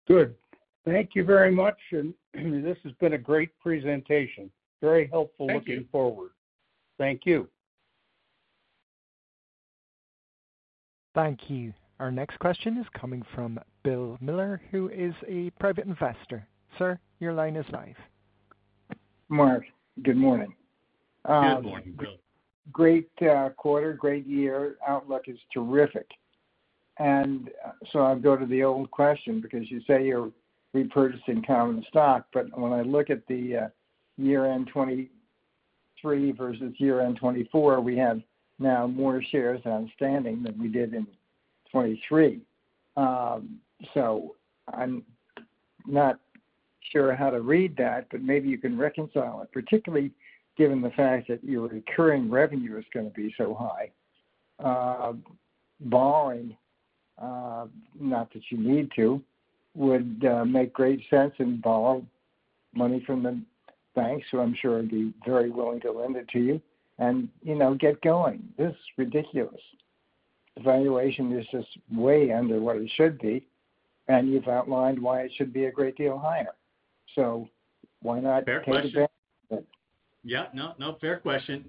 Good. Thank you very much. And this has been a great presentation. Very helpful. Looking forward. Thank you. Thank you. Our next question is coming from Bill Miller, who is a private investor. Sir, your line is live. Mark, good morning. Good morning. Great quarter, great year. Outlook is terrific, and so I'll go to the old question because you say you're repurchasing common stock, but when I look at the year-end 2023 versus year-end 2024, we have now more shares outstanding than we did in 2023, so I'm not sure how to read that, but maybe you can reconcile it, particularly given the fact that your recurring revenue is going to be so high. Borrowing, not that you need to, would make great sense and borrow money from the banks, so I'm sure they'd be very willing to lend it to you and get going. This is ridiculous. The valuation is just way under what it should be, and you've outlined why it should be a great deal higher, so why not take advantage of it? Fair question. Yeah. No, fair question.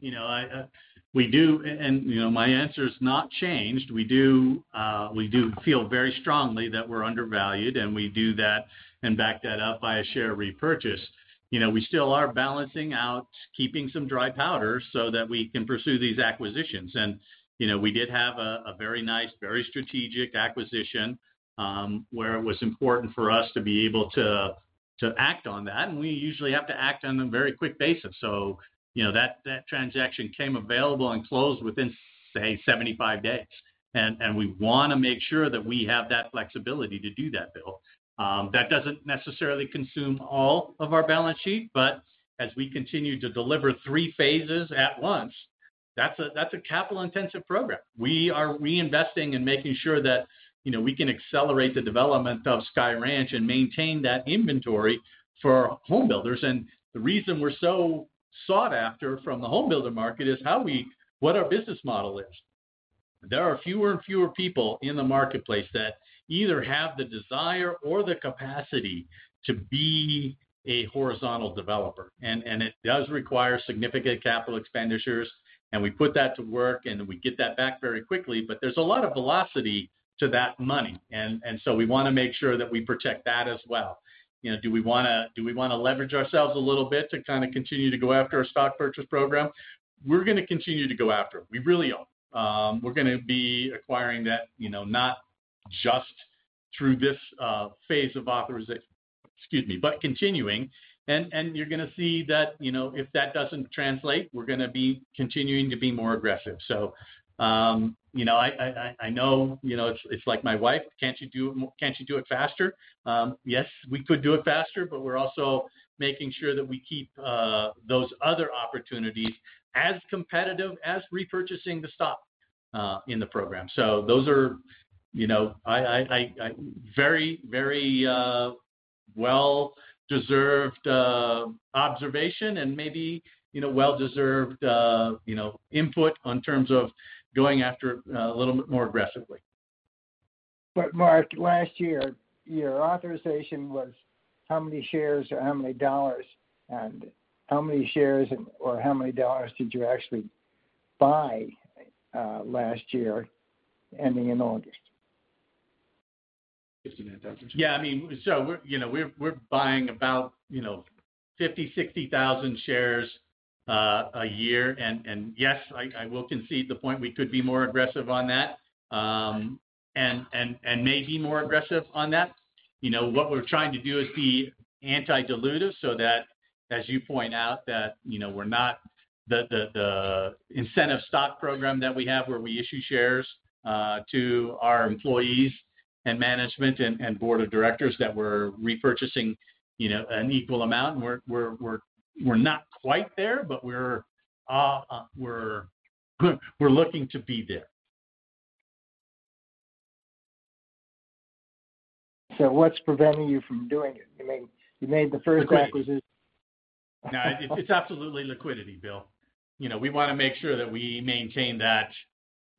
We do, and my answer has not changed. We do feel very strongly that we're undervalued, and we do that and back that up by a share repurchase. We still are balancing out, keeping some dry powder so that we can pursue these acquisitions, and we did have a very nice, very strategic acquisition where it was important for us to be able to act on that, and we usually have to act on a very quick basis, so that transaction came available and closed within, say, 75 days, and we want to make sure that we have that flexibility to do that, Bill. That doesn't necessarily consume all of our balance sheet, but as we continue to deliver three phases at once, that's a capital-intensive program. We are reinvesting and making sure that we can accelerate the development of Sky Ranch and maintain that inventory for home builders. And the reason we're so sought after from the home builder market is what our business model is. There are fewer and fewer people in the marketplace that either have the desire or the capacity to be a horizontal developer. And it does require significant capital expenditures. And we put that to work, and we get that back very quickly. But there's a lot of velocity to that money. And so we want to make sure that we protect that as well. Do we want to leverage ourselves a little bit to kind of continue to go after our stock purchase program? We're going to continue to go after it. We really are. We're going to be acquiring that not just through this phase of authorization, excuse me, but continuing, and you're going to see that if that doesn't translate, we're going to be continuing to be more aggressive, so I know it's like my wife. Can't you do it faster? Yes, we could do it faster, but we're also making sure that we keep those other opportunities as competitive as repurchasing the stock in the program, so those are very, very well-deserved observation and maybe well-deserved input in terms of going after a little bit more aggressively. But Mark, last year, your authorization was how many shares or how many dollars and how many shares or how many dollars did you actually buy last year ending in August? 59,000 shares. Yeah. I mean, so we're buying about 50,000, 60,000 shares a year. And yes, I will concede the point we could be more aggressive on that and may be more aggressive on that. What we're trying to do is be anti-dilutive so that, as you point out, that we're not the incentive stock program that we have where we issue shares to our employees and management and board of directors that we're repurchasing an equal amount. And we're not quite there, but we're looking to be there. So what's preventing you from doing it? You made the first acquisition. No, it's absolutely liquidity, Bill. We want to make sure that we maintain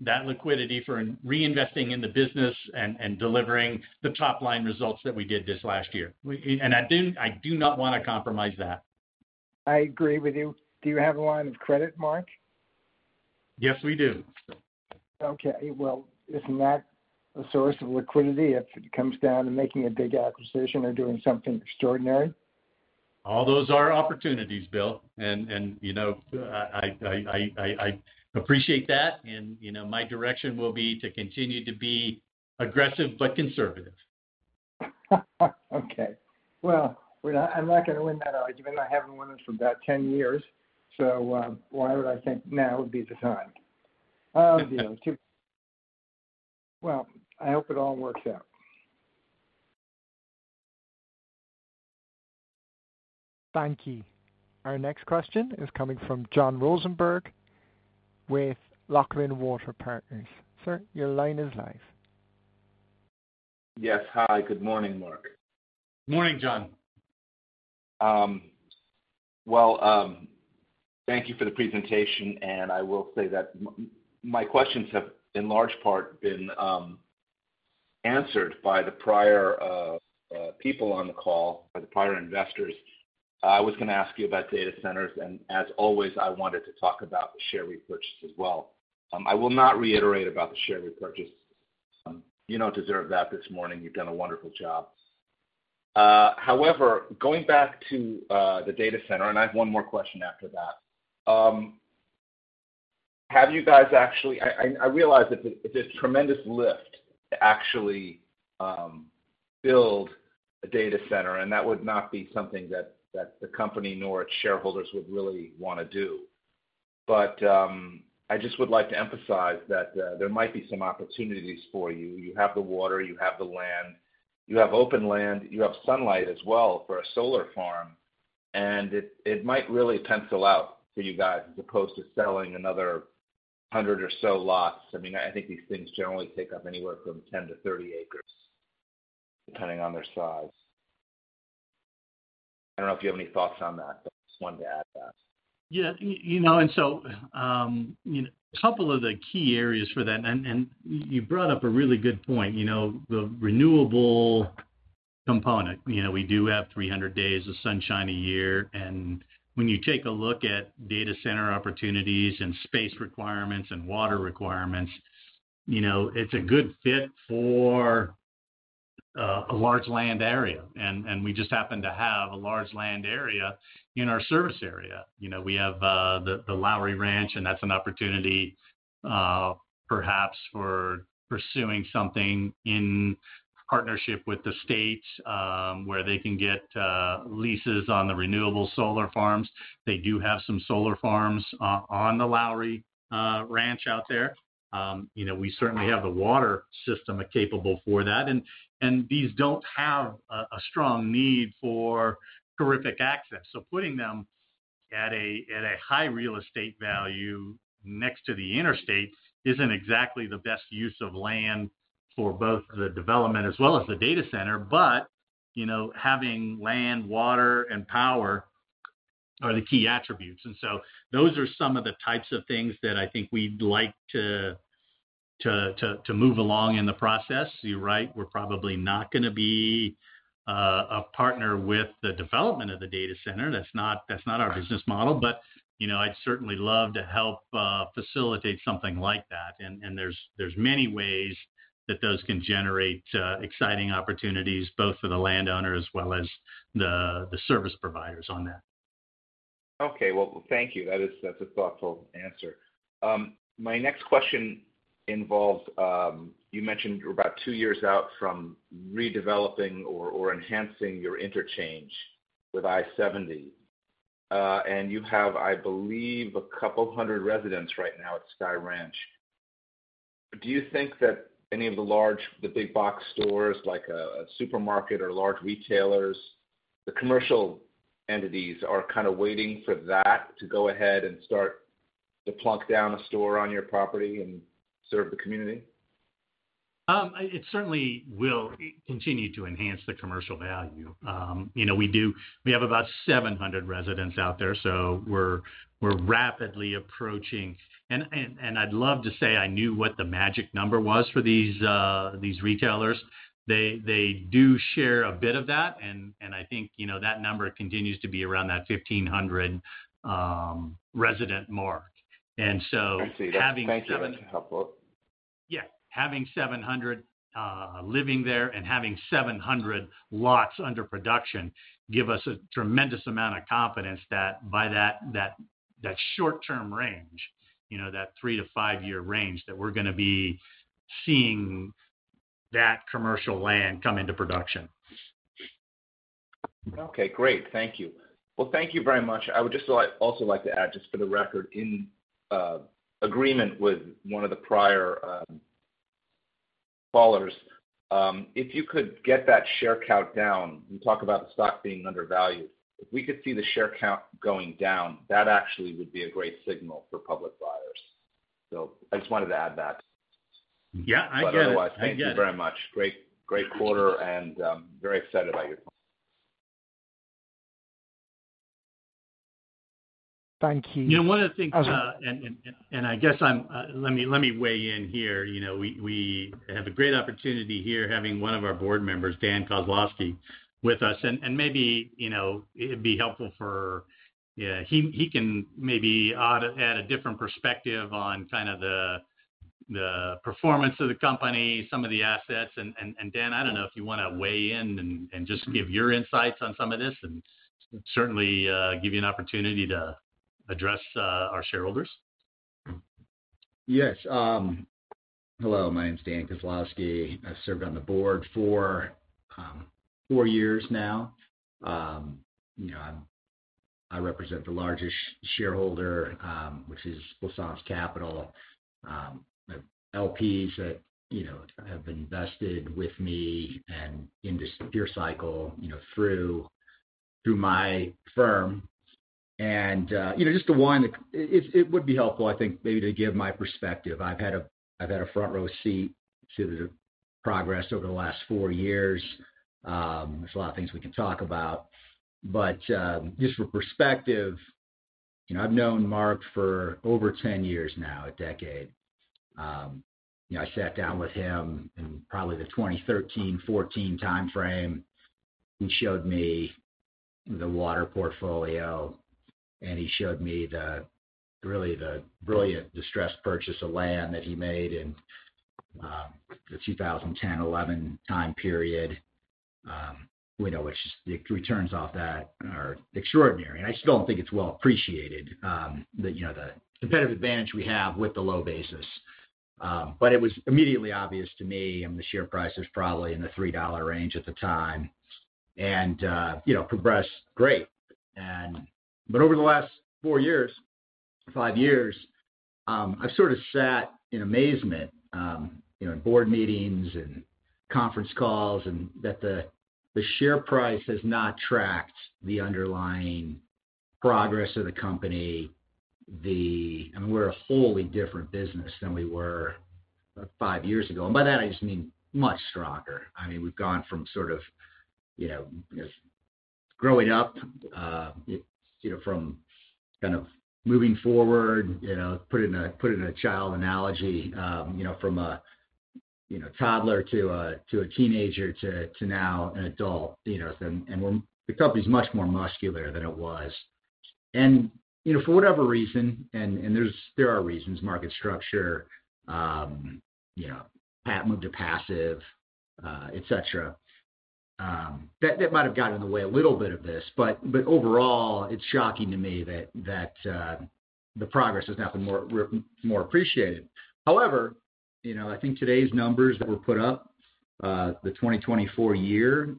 that liquidity for reinvesting in the business and delivering the top-line results that we did this last year, and I do not want to compromise that. I agree with you. Do you have a line of credit, Mark? Yes, we do. Okay. Well, isn't that a source of liquidity if it comes down to making a big acquisition or doing something extraordinary? All those are opportunities, Bill. And I appreciate that. And my direction will be to continue to be aggressive but conservative. Okay. Well, I'm not going to win that argument. I haven't won it for about 10 years. So why would I think now would be the time? Well, I hope it all works out. Thank you. Our next question is coming from John Rosenberg with Loughlin Water Partners. Sir, your line is live. Yes. Hi. Good morning, Mark. Good morning, John. Well, thank you for the presentation. And I will say that my questions have, in large part, been answered by the prior people on the call, by the prior investors. I was going to ask you about data centers. And as always, I wanted to talk about the share repurchase as well. I will not reiterate about the share repurchase. You don't deserve that this morning. You've done a wonderful job. However, going back to the data center, and I have one more question after that. Have you guys actually? I realize it's a tremendous lift to actually build a data center, and that would not be something that the company nor its shareholders would really want to do. But I just would like to emphasize that there might be some opportunities for you. You have the water. You have the land. You have open land. You have sunlight as well for a solar farm. And it might really pencil out for you guys as opposed to selling another 100 or so lots. I mean, I think these things generally take up anywhere from 10-30 acres, depending on their size. I don't know if you have any thoughts on that, but I just wanted to add that. Yeah. So a couple of the key areas for that, and you brought up a really good point, the renewable component. We do have 300 days of sunshine a year. When you take a look at data center opportunities and space requirements and water requirements, it's a good fit for a large land area. We just happen to have a large land area in our service area. We have the Lowry Ranch, and that's an opportunity perhaps for pursuing something in partnership with the state where they can get leases on the renewable solar farms. They do have some solar farms on the Lowry Ranch out there. We certainly have the water system capable for that. These don't have a strong need for terrific access. So, putting them at a high real estate value next to the interstate isn't exactly the best use of land for both the development as well as the data center. But having land, water, and power are the key attributes. And so those are some of the types of things that I think we'd like to move along in the process. You're right. We're probably not going to be a partner with the development of the data center. That's not our business model. But I'd certainly love to help facilitate something like that. And there's many ways that those can generate exciting opportunities both for the landowner as well as the service providers on that. Okay, well, thank you. That's a thoughtful answer. My next question involves, you mentioned, you're about two years out from redeveloping or enhancing your interchange with I-70. And you have, I believe, a couple hundred residents right now at Sky Ranch. Do you think that any of the big box stores like a supermarket or large retailers, the commercial entities, are kind of waiting for that to go ahead and start to plunk down a store on your property and serve the community? It certainly will continue to enhance the commercial value. We have about 700 residents out there. So we're rapidly approaching. And I'd love to say I knew what the magic number was for these retailers. They do share a bit of that. And I think that number continues to be around that 1,500 resident mark. And so having 700. I see. Thank you. That's helpful. Yeah. Having 700 living there and having 700 lots under production gives us a tremendous amount of confidence that by that short-term range, that 3-5 years range, that we're going to be seeing that commercial land come into production. Okay. Great. Thank you. Well, thank you very much. I would just also like to add, just for the record, in agreement with one of the prior callers, if you could get that share count down, you talk about the stock being undervalued. If we could see the share count going down, that actually would be a great signal for public buyers. So I just wanted to add that. Yeah. I get it. Otherwise, thank you very much. Great quarter and very excited about your. Thank you. One of the things, and I guess let me weigh in here. We have a great opportunity here having one of our board members, Dan Kozlowski, with us. And maybe it'd be helpful for he can maybe add a different perspective on kind of the performance of the company, some of the assets. And Dan, I don't know if you want to weigh in and just give your insights on some of this and certainly give you an opportunity to address our shareholders. Yes. Hello. My name is Dan Kozlowski. I've served on the board for four years now. I represent the largest shareholder, which is Plaisance Capital LP. So, they have invested with me and in this Pure Cycle through my firm. And just to wind it, it would be helpful, I think, maybe to give my perspective. I've had a front-row seat to the progress over the last four years. There's a lot of things we can talk about. But just for perspective, I've known Mark for over 10 years now, a decade. I sat down with him in probably the 2013-2014 timeframe. He showed me the water portfolio, and he showed me really the brilliant distressed purchase of land that he made in the 2010-2011 time period. We know it's just the returns off that are extraordinary. I still don't think it's well appreciated, the competitive advantage we have with the low basis. But it was immediately obvious to me. I mean, the share price was probably in the $3 range at the time and progressed great. But over the last four years, five years, I've sort of sat in amazement in board meetings and conference calls that the share price has not tracked the underlying progress of the company. I mean, we're a wholly different business than we were five years ago. And by that, I just mean much stronger. I mean, we've gone from sort of growing up, from kind of moving forward, put in a child analogy, from a toddler to a teenager to now an adult. And the company is much more muscular than it was. For whatever reason, and there are reasons, market structure, passive, etc., that might have gotten in the way a little bit of this. Overall, it's shocking to me that the progress is nothing more appreciated. However, I think today's numbers that were put up, the 2024 year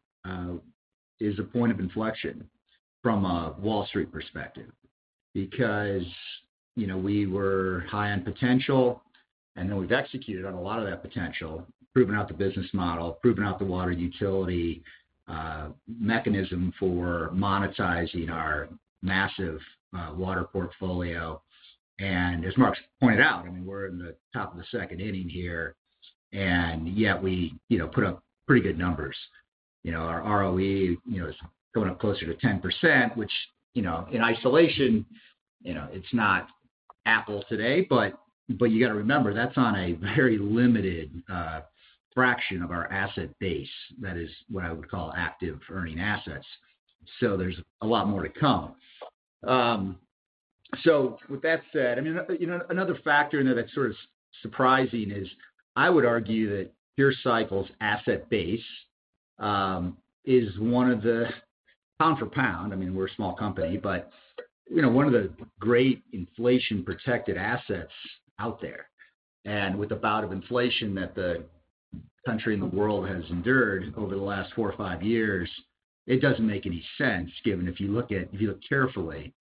is a point of inflection from a Wall Street perspective because we were high on potential, and then we've executed on a lot of that potential, proving out the business model, proving out the water utility mechanism for monetizing our massive water portfolio. As Mark pointed out, I mean, we're in the top of the second inning here, and yet we put up pretty good numbers. Our ROE is going up closer to 10%, which in isolation, it's not Apple today. But you got to remember, that's on a very limited fraction of our asset base that is what I would call active earning assets. So there's a lot more to come. So with that said, I mean, another factor that's sort of surprising is I would argue that Pure Cycle's asset base is one of the pound for pound. I mean, we're a small company, but one of the great inflation-protected assets out there. And with the bout of inflation that the country and the world has endured over the last 4-5 years, it doesn't make any sense given if you look carefully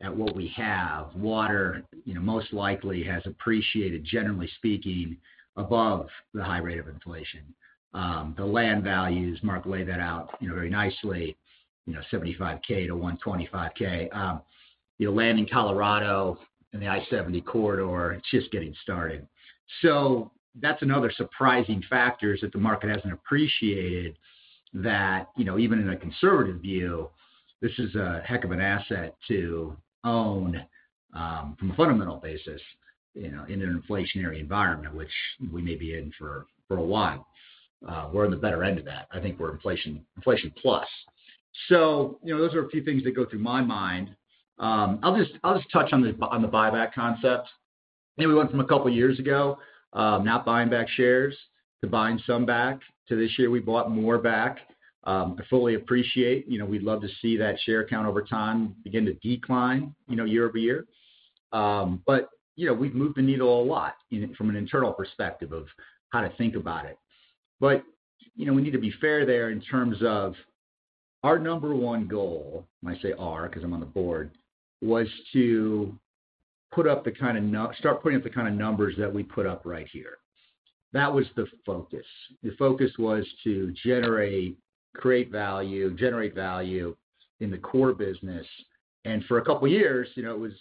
at what we have. Water most likely has appreciated, generally speaking, above the high rate of inflation. The land values, Mark laid that out very nicely, $75,000-$125,000. Land in Colorado and the I-70 corridor, it's just getting started. So that's another surprising factor is that the market hasn't appreciated that even in a conservative view, this is a heck of an asset to own from a fundamental basis in an inflationary environment, which we may be in for a while. We're in the better end of that. I think we're inflation plus. So those are a few things that go through my mind. I'll just touch on the buyback concept. We went from a couple of years ago, not buying back shares, to buying some back. To this year, we bought more back. I fully appreciate we'd love to see that share count over time begin to decline year-over-year. But we've moved the needle a lot from an internal perspective of how to think about it. But we need to be fair there in terms of our number one goal. When I say our because I'm on the board, it was to put up the kind of numbers that we put up right here. That was the focus. The focus was to generate value in the core business. And for a couple of years, it was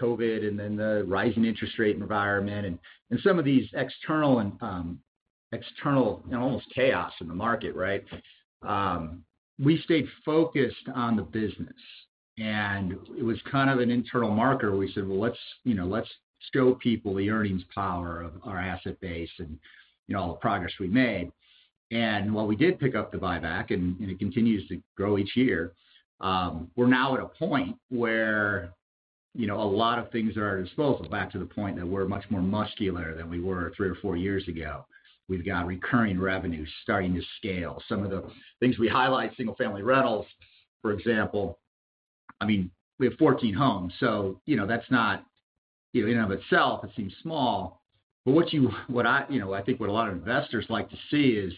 COVID and then the rising interest rate environment and some of these external and almost chaos in the market, right? We stayed focused on the business. And it was kind of an internal marker. We said, "Well, let's show people the earnings power of our asset base and all the progress we made." And while we did pick up the buyback, and it continues to grow each year, we're now at a point where a lot of things are at our disposal, back to the point that we're much more muscular than we were three or four years ago. We've got recurring revenue starting to scale. Some of the things we highlight, single-family rentals, for example. I mean, we have 14 homes. So that's not in and of itself. It seems small. But what I think a lot of investors like to see is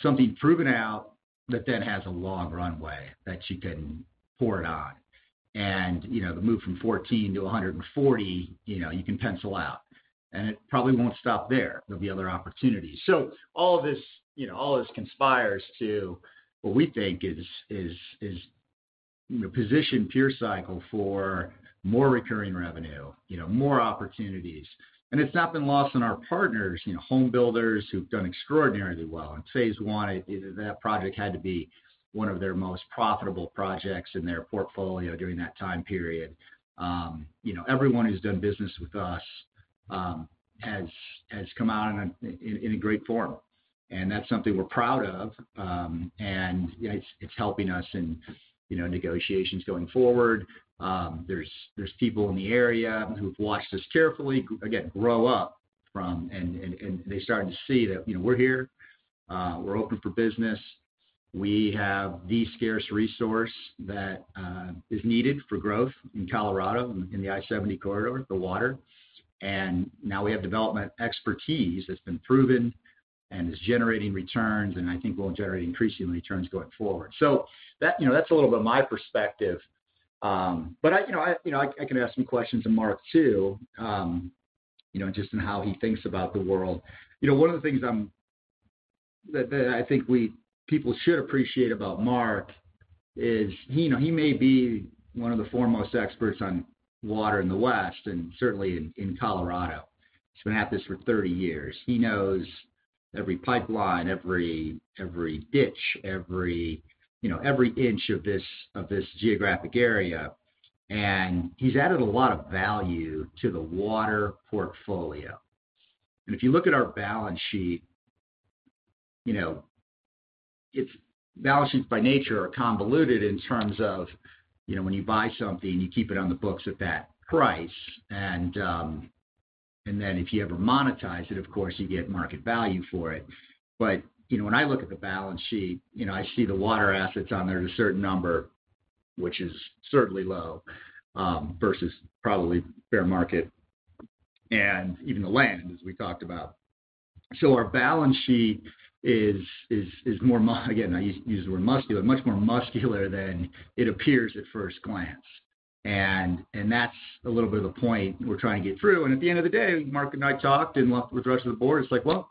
something proven out that then has a long runway that you can pour it on. And the move from 14 to 140, you can pencil out. And it probably won't stop there. There'll be other opportunities. So all of this conspires to what we think is position Pure Cycle for more recurring revenue, more opportunities. And it's not been lost in our partners, homebuilders who've done extraordinarily well. In Phase I, that project had to be one of their most profitable projects in their portfolio during that time period. Everyone who's done business with us has come out in a great form. And that's something we're proud of. And it's helping us in negotiations going forward. There's people in the area who've watched us carefully, again, grow up from, and they started to see that we're here, we're open for business. We have the scarce resource that is needed for growth in Colorado and in the I-70 corridor, the water. And now we have development expertise that's been proven and is generating returns, and I think will generate increasing returns going forward. So that's a little bit of my perspective. But I can ask some questions to Mark too, just in how he thinks about the world. One of the things that I think people should appreciate about Mark is he may be one of the foremost experts on water in the West and certainly in Colorado. He's been at this for 30 years. He knows every pipeline, every ditch, every inch of this geographic area. And he's added a lot of value to the water portfolio. And if you look at our balance sheet, balance sheets by nature are convoluted in terms of when you buy something, you keep it on the books at that price. And then if you ever monetize it, of course, you get market value for it. But when I look at the balance sheet, I see the water assets on there to a certain number, which is certainly low versus probably fair market and even the land, as we talked about. So our balance sheet is more, again, I use the word muscular, much more muscular than it appears at first glance. And that's a little bit of the point we're trying to get through. And at the end of the day, Mark and I talked and with the rest of the board, it's like, "Well,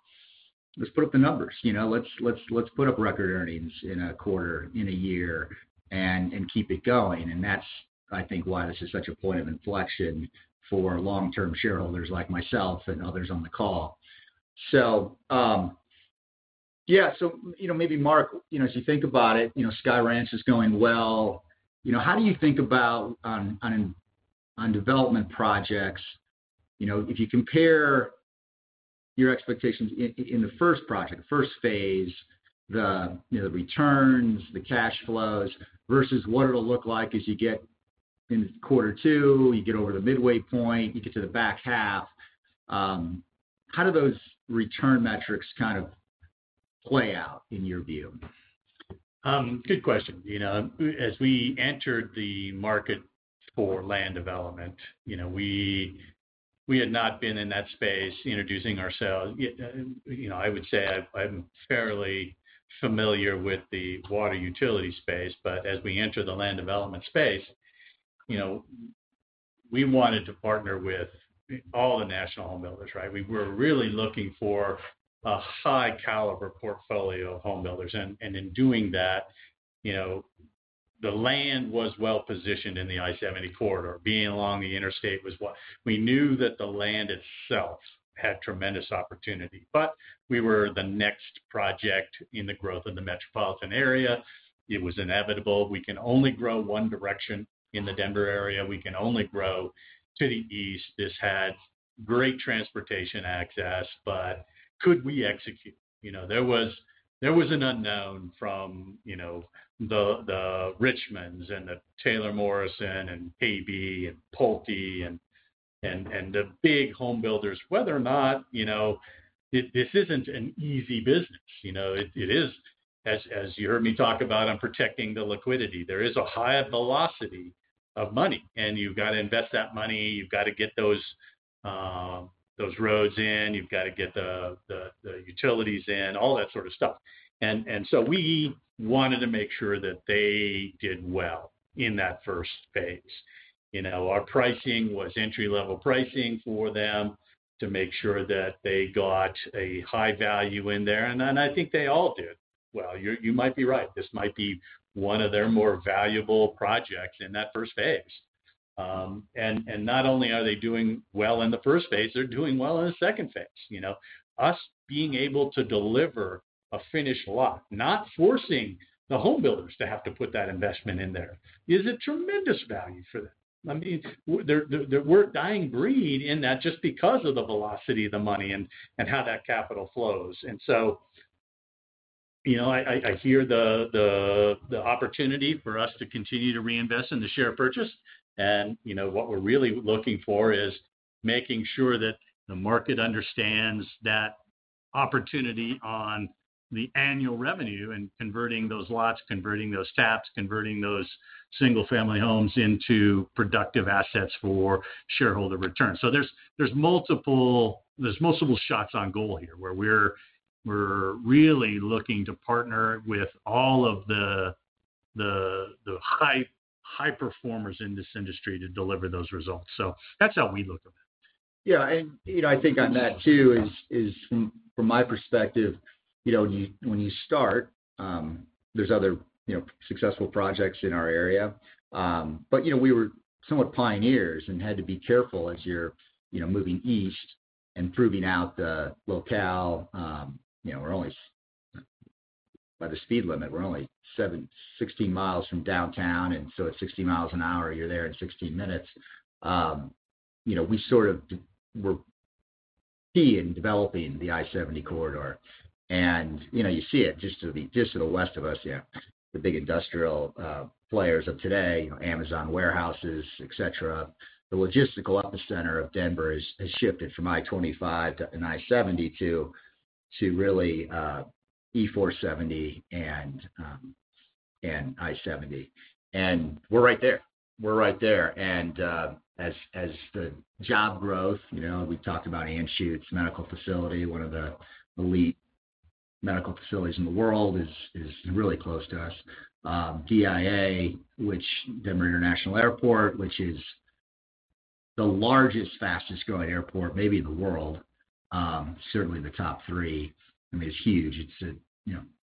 let's put up the numbers. Let's put up record earnings in a quarter, in a year, and keep it going." And that's, I think, why this is such a point of inflection for long-term shareholders like myself and others on the call. So yeah. So maybe Mark, as you think about it, Sky Ranch is going well. How do you think about land development projects? If you compare your expectations in the first project, the first phase, the returns, the cash flows versus what it'll look like as you get in quarter two, you get over the midway point, you get to the back half, how do those return metrics kind of play out in your view? Good question. As we entered the market for land development, we had not been in that space introducing ourselves. I would say I'm fairly familiar with the water utility space. But as we entered the land development space, we wanted to partner with all the national home builders, right? We were really looking for a high-caliber portfolio of home builders. And in doing that, the land was well positioned in the I-70 corridor. Being along the interstate was what we knew that the land itself had tremendous opportunity. But we were the next project in the growth of the metropolitan area. It was inevitable. We can only grow one direction in the Denver area. We can only grow to the east. This had great transportation access, but could we execute? There was an unknown from the Richmond and the Taylor Morrison and KB and Pulte and the big home builders, whether or not this isn't an easy business. It is, as you heard me talk about, I'm protecting the liquidity. There is a high velocity of money, and you've got to invest that money. You've got to get those roads in. You've got to get the utilities in, all that sort of stuff. And so we wanted to make sure that they did well in that first phase. Our pricing was entry-level pricing for them to make sure that they got a high value in there. I think they all did well. You might be right. This might be one of their more valuable projects in that first phase. Not only are they doing well in the first phase, they're doing well in the second phase. Us being able to deliver a finished lot, not forcing the home builders to have to put that investment in there is a tremendous value for them. I mean, we're a dying breed in that just because of the velocity of the money and how that capital flows. I hear the opportunity for us to continue to reinvest in the share purchase. What we're really looking for is making sure that the market understands that opportunity on the annual revenue and converting those lots, converting those taps, converting those single-family homes into productive assets for shareholder return. So there's multiple shots on goal here where we're really looking to partner with all of the high performers in this industry to deliver those results. So that's how we look at it. Yeah. And I think on that too is, from my perspective, when you start, there's other successful projects in our area. But we were somewhat pioneers and had to be careful as you're moving east and proving out the locale. By the speed limit, we're only 16 mi from downtown. And so at 60 mph, you're there in 16 minutes. We sort of were key in developing the I-70 corridor. And you see it just to the west of us, the big industrial players of today, Amazon warehouses, etc. The logistical epicenter of Denver has shifted from I-25 to I-70 to really E-470 and I-70. And we're right there. We're right there. And as the job growth, we talked about Anschutz Medical Campus, one of the elite medical facilities in the world, is really close to us. DIA, which is Denver International Airport, which is the largest, fastest growing airport, maybe in the world, certainly the top three. I mean, it's huge. It's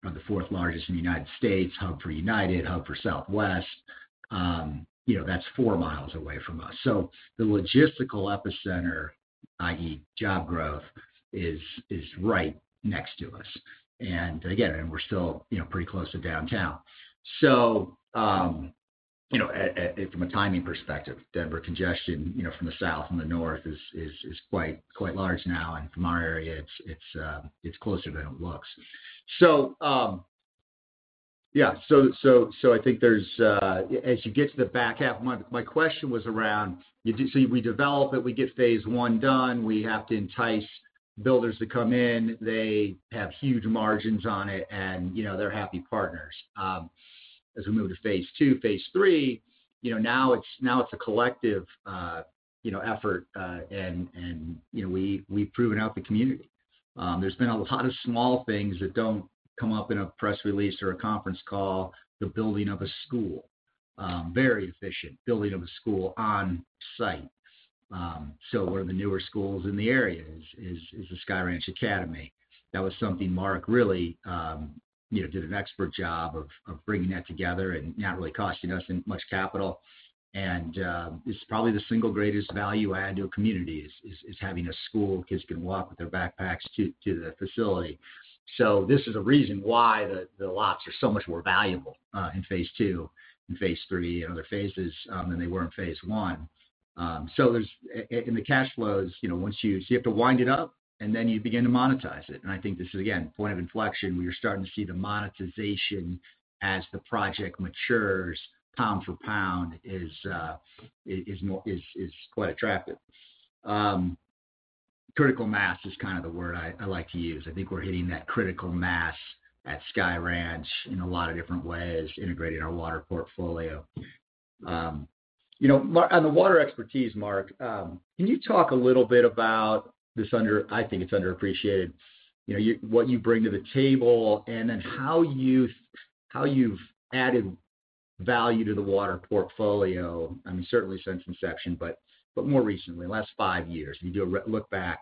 the fourth largest in the United States, hub for United, hub for Southwest. That's 4 mi away from us. So the logistical epicenter, i.e., job growth, is right next to us. And again, we're still pretty close to downtown. So from a timing perspective, Denver congestion from the south and the north is quite large now. And from our area, it's closer than it looks. So yeah. So I think as you get to the back half, my question was around, so we develop it, we get Phase I done, we have to entice builders to come in. They have huge margins on it, and they're happy partners. As we move to Phase II, Phase III, now it's a collective effort, and we've proven out the community. There's been a lot of small things that don't come up in a press release or a conference call, the building of a school, very efficient, building of a school on site. So one of the newer schools in the area is the Sky Ranch Academy. That was something Mark really did an expert job of bringing that together and not really costing us much capital. And it's probably the single greatest value add to a community is having a school. Kids can walk with their backpacks to the facility. So this is a reason why the lots are so much more valuable in Phase II, in Phase III, and other phases than they were in Phase I. So, in the cash flows, once you have to wind it up, and then you begin to monetize it. And I think this is, again, point of inflection. We are starting to see the monetization as the project matures. Pound for pound is quite attractive. Critical mass is kind of the word I like to use. I think we're hitting that critical mass at Sky Ranch in a lot of different ways, integrating our water portfolio. On the water expertise, Mark, can you talk a little bit about this under? I think it's underappreciated, what you bring to the table and then how you've added value to the water portfolio? I mean, certainly since inception, but more recently, the last five years. If you do a look back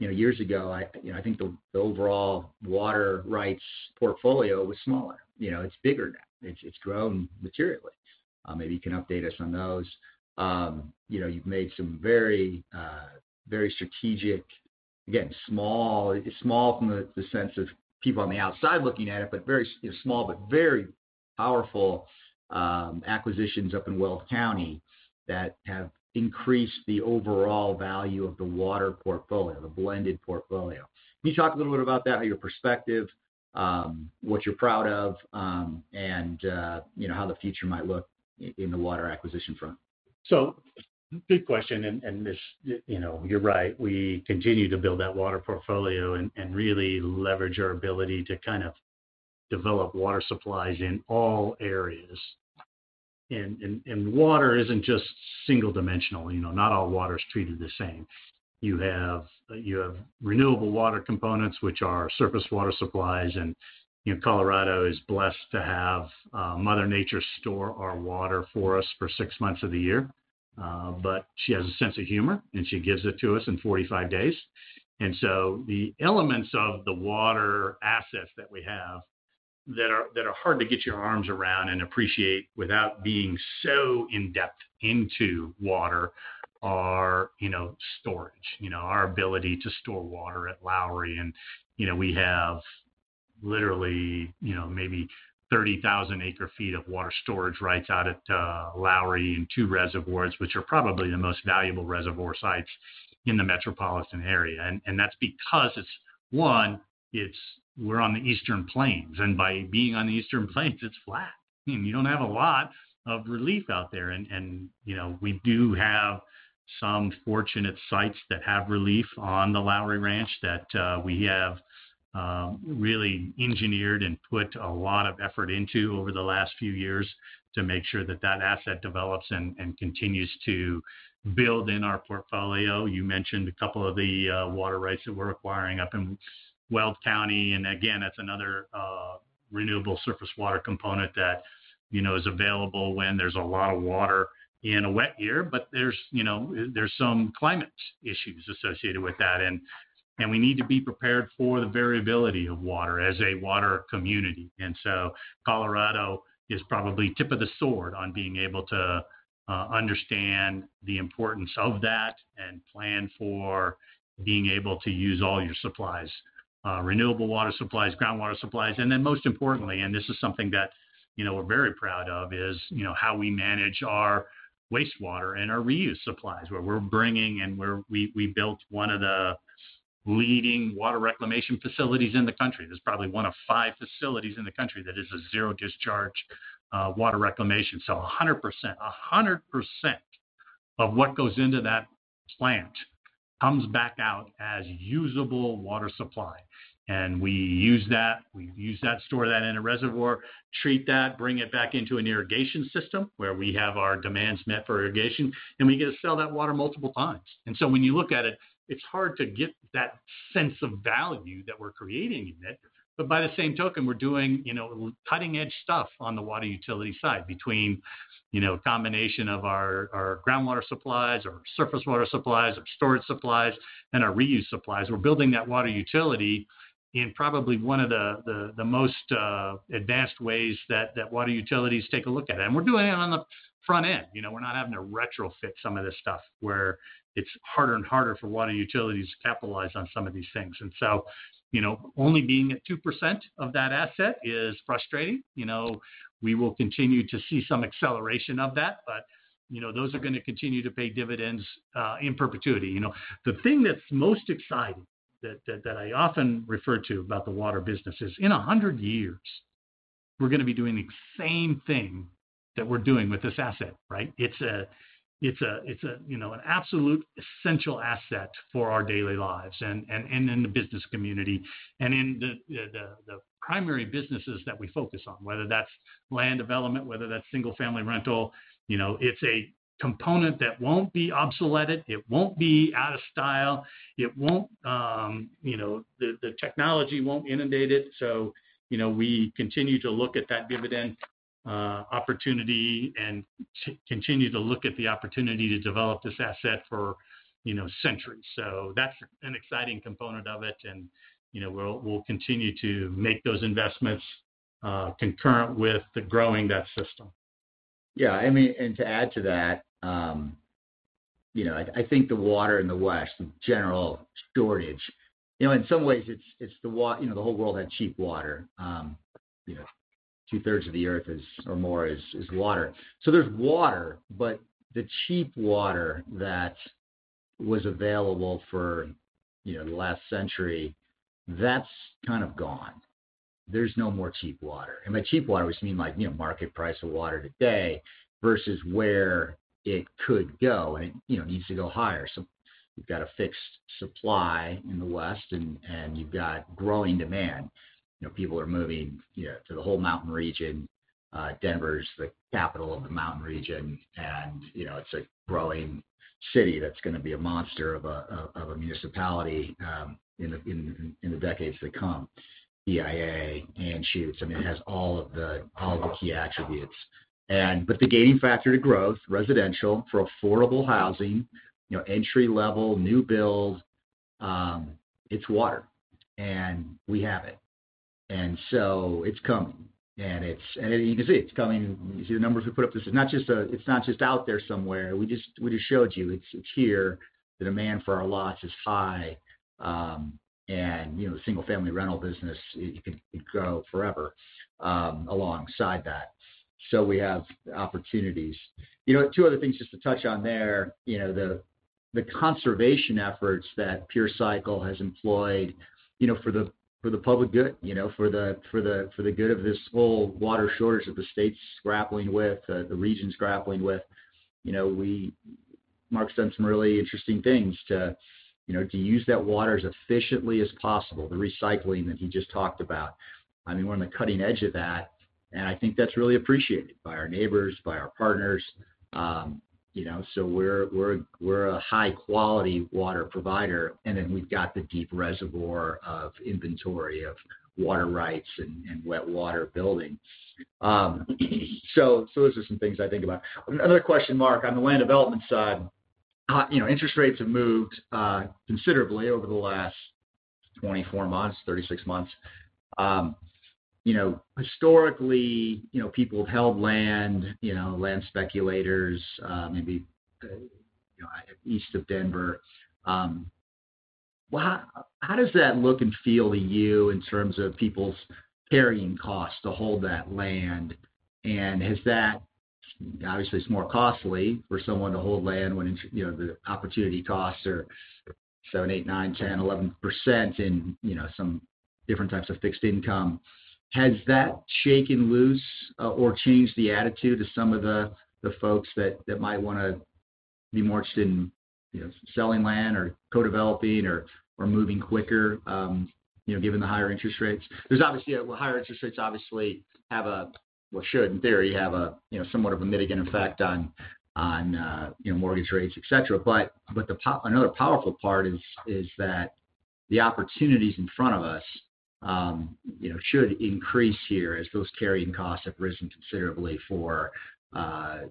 years ago, I think the overall water rights portfolio was smaller. It's bigger now. It's grown materially. Maybe you can update us on those. You've made some very strategic, again, small, small from the sense of people on the outside looking at it, but very small, but very powerful acquisitions up in Weld County that have increased the overall value of the water portfolio, the blended portfolio. Can you talk a little bit about that, your perspective, what you're proud of, and how the future might look in the water acquisition front? So good question. And you're right. We continue to build that water portfolio and really leverage our ability to kind of develop water supplies in all areas. And water isn't just single-dimensional. Not all water is treated the same. You have renewable water components, which are surface water supplies. And Colorado is blessed to have Mother Nature store our water for us for six months of the year. But she has a sense of humor, and she gives it to us in 45 days. And so the elements of the water assets that we have that are hard to get your arms around and appreciate without being so in-depth into water are storage, our ability to store water at Lowry. And we have literally maybe 30,000 acre-feet of water storage rights out at Lowry and two reservoirs, which are probably the most valuable reservoir sites in the metropolitan area. And that's because, one, we're on the Eastern Plains. And by being on the Eastern Plains, it's flat. And you don't have a lot of relief out there. And we do have some fortunate sites that have relief on the Lowry Ranch that we have really engineered and put a lot of effort into over the last few years to make sure that that asset develops and continues to build in our portfolio. You mentioned a couple of the water rights that we're acquiring up in Weld County. And again, that's another renewable surface water component that is available when there's a lot of water in a wet year. But there's some climate issues associated with that. And we need to be prepared for the variability of water as a water community. And so Colorado is probably tip of the sword on being able to understand the importance of that and plan for being able to use all your supplies, renewable water supplies, groundwater supplies. And then most importantly, and this is something that we're very proud of, is how we manage our wastewater and our reuse supplies where we're bringing and where we built one of the leading water reclamation facilities in the country. There's probably one of five facilities in the country that is a zero-discharge water reclamation. So 100%, 100% of what goes into that plant comes back out as usable water supply. And we use that. We use that, store that in a reservoir, treat that, bring it back into an irrigation system where we have our demands met for irrigation, and we get to sell that water multiple times. And so when you look at it, it's hard to get that sense of value that we're creating in it. But by the same token, we're doing cutting-edge stuff on the water utility side between a combination of our groundwater supplies, our surface water supplies, our storage supplies, and our reuse supplies. We're building that water utility in probably one of the most advanced ways that water utilities take a look at it. And we're doing it on the front end. We're not having to retrofit some of this stuff where it's harder and harder for water utilities to capitalize on some of these things. And so only being at 2% of that asset is frustrating. We will continue to see some acceleration of that, but those are going to continue to pay dividends in perpetuity. The thing that's most exciting that I often refer to about the water business is in 100 years, we're going to be doing the same thing that we're doing with this asset, right? It's an absolute essential asset for our daily lives and in the business community and in the primary businesses that we focus on, whether that's land development, whether that's single-family rental. It's a component that won't be obsoleted. It won't be out of style. The technology won't inundate it. So we continue to look at that dividend opportunity and continue to look at the opportunity to develop this asset for centuries. So that's an exciting component of it. And we'll continue to make those investments concurrent with the growing that system. Yeah. And to add to that, I think the water in the west, the general shortage, in some ways, it's the whole world had cheap water. Two-thirds of the earth or more is water. So there's water, but the cheap water that was available for the last century, that's kind of gone. There's no more cheap water. By cheap water, we just mean market price of water today versus where it could go. It needs to go higher. You've got a fixed supply in the west, and you've got growing demand. People are moving to the whole mountain region. Denver is the capital of the mountain region, and it's a growing city that's going to be a monster of a municipality in the decades to come. DIA, Anschutz. I mean, it has all of the key attributes. The gating factor to growth, residential for affordable housing, entry-level, new build, it's water. We have it. It's coming. You can see it's coming. You see the numbers we put up. It's not just out there somewhere. We just showed you. It's here. The demand for our lots is high. The single-family rental business, it could grow forever alongside that. So we have opportunities. Two other things just to touch on there. The conservation efforts that Pure Cycle has employed for the public good, for the good of this whole water shortage that the state's grappling with, the region's grappling with. Mark's done some really interesting things to use that water as efficiently as possible, the recycling that he just talked about. I mean, we're on the cutting edge of that. And I think that's really appreciated by our neighbors, by our partners. So we're a high-quality water provider. And then we've got the deep reservoir of inventory of water rights and wet water building. So those are some things I think about. Another question, Mark, on the land development side. Interest rates have moved considerably over the last 24 months, 36 months. Historically, people have held land, land speculators, maybe east of Denver. How does that look and feel to you in terms of people's carrying costs to hold that land? And obviously, it's more costly for someone to hold land when the opportunity costs are 7%-11% in some different types of fixed income. Has that shaken loose or changed the attitude of some of the folks that might want to be more interested in selling land or co-developing or moving quicker given the higher interest rates? Higher interest rates obviously have a, well, should in theory, have somewhat of a mitigating effect on mortgage rates, etc. But another powerful part is that the opportunities in front of us should increase here as those carrying costs have risen considerably for our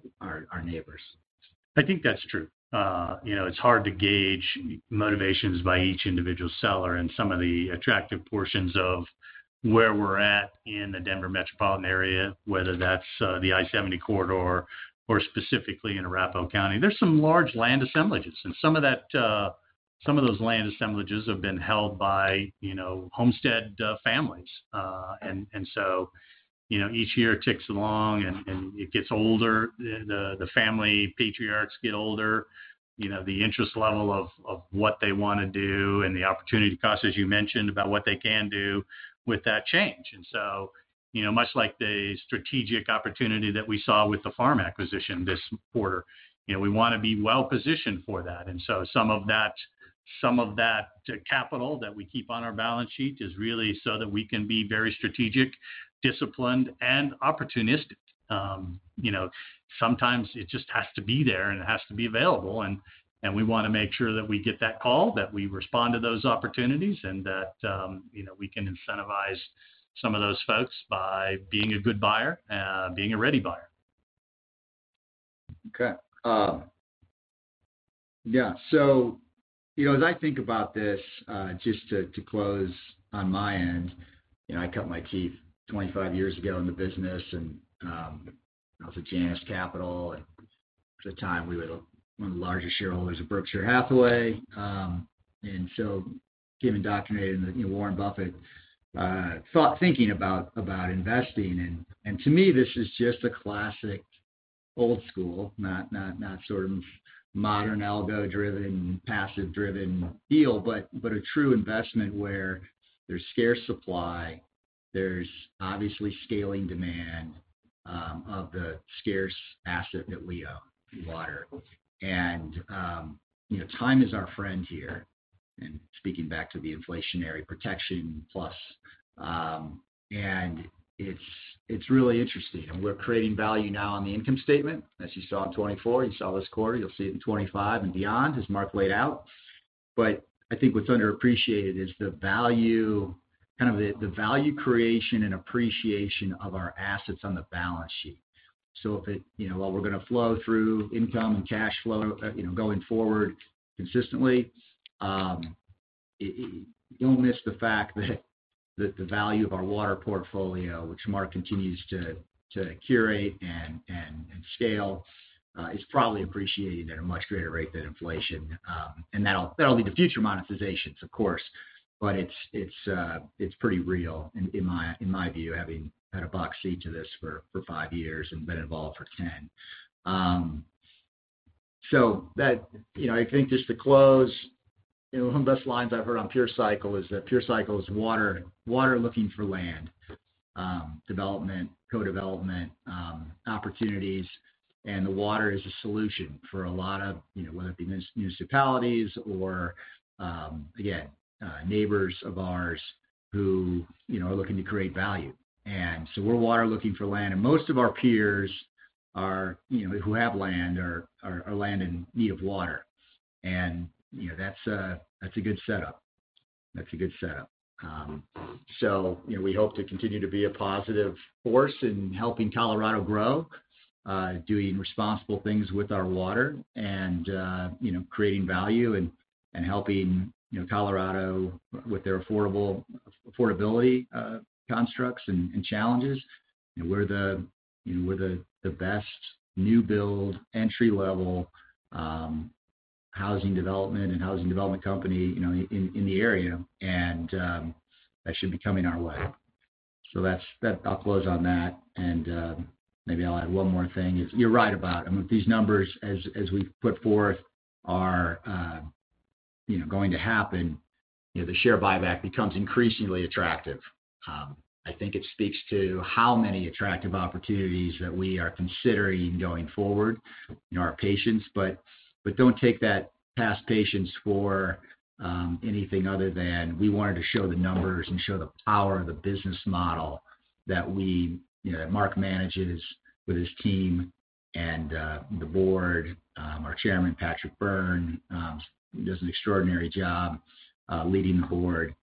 neighbors. I think that's true. It's hard to gauge motivations by each individual seller and some of the attractive portions of where we're at in the Denver metropolitan area, whether that's the I-70 corridor or specifically in Arapahoe County. There's some large land assemblages. And some of those land assemblages have been held by homestead families. And so each year ticks along, and it gets older. The family patriarchs get older. The interest level of what they want to do and the opportunity cost, as you mentioned, about what they can do with that change. And so much like the strategic opportunity that we saw with the farm acquisition this quarter, we want to be well-positioned for that. And so some of that capital that we keep on our balance sheet is really so that we can be very strategic, disciplined, and opportunistic. Sometimes it just has to be there, and it has to be available, and we want to make sure that we get that call, that we respond to those opportunities, and that we can incentivize some of those folks by being a good buyer, being a ready buyer. Okay. Yeah. So as I think about this, just to close on my end, I cut my teeth 25 years ago in the business. And I was at Janus Capital. At the time, we were one of the largest shareholders of Berkshire Hathaway. And so, Kim and Doc and Warren Buffett, thinking about investing. And to me, this is just a classic old-school, not sort of modern algo-driven, passive-driven deal, but a true investment where there's scarce supply. There's obviously scaling demand of the scarce asset that we own, water. And time is our friend here. And speaking back to the inflationary protection plus, and it's really interesting. And we're creating value now on the income statement, as you saw in 2024. You saw this quarter. You'll see it in 2025 and beyond, as Mark laid out. But I think what's underappreciated is the value, kind of the value creation and appreciation of our assets on the balance sheet. So while we're going to flow through income and cash flow going forward consistently, don't miss the fact that the value of our water portfolio, which Mark continues to curate and scale, is probably appreciating at a much greater rate than inflation. And that'll lead to future monetizations, of course. But it's pretty real, in my view, having had a box seat to this for five years and been involved for 10. So I think just to close, one of the best lines I've heard on Pure Cycle is that Pure Cycle is water looking for land development, co-development opportunities. And the water is a solution for a lot of, whether it be municipalities or, again, neighbors of ours who are looking to create value. And so we're water, looking for land. And most of our peers who have land are land, in need of water. And that's a good setup. That's a good setup. So we hope to continue to be a positive force in helping Colorado grow, doing responsible things with our water, and creating value, and helping Colorado with their affordability constructs and challenges. We're the best new-build entry-level housing development and housing development company in the area. And that should be coming our way. So I'll close on that. And maybe I'll add one more thing. You're right about it. I mean, these numbers, as we've put forth, are going to happen. The share buyback becomes increasingly attractive. I think it speaks to how many attractive opportunities that we are considering going forward. Our patience. But don't take that past patience for anything other than we wanted to show the numbers and show the power of the business model that Mark manages with his team and the board. Our Chairman, Patrick Beirne, does an extraordinary job leading the board.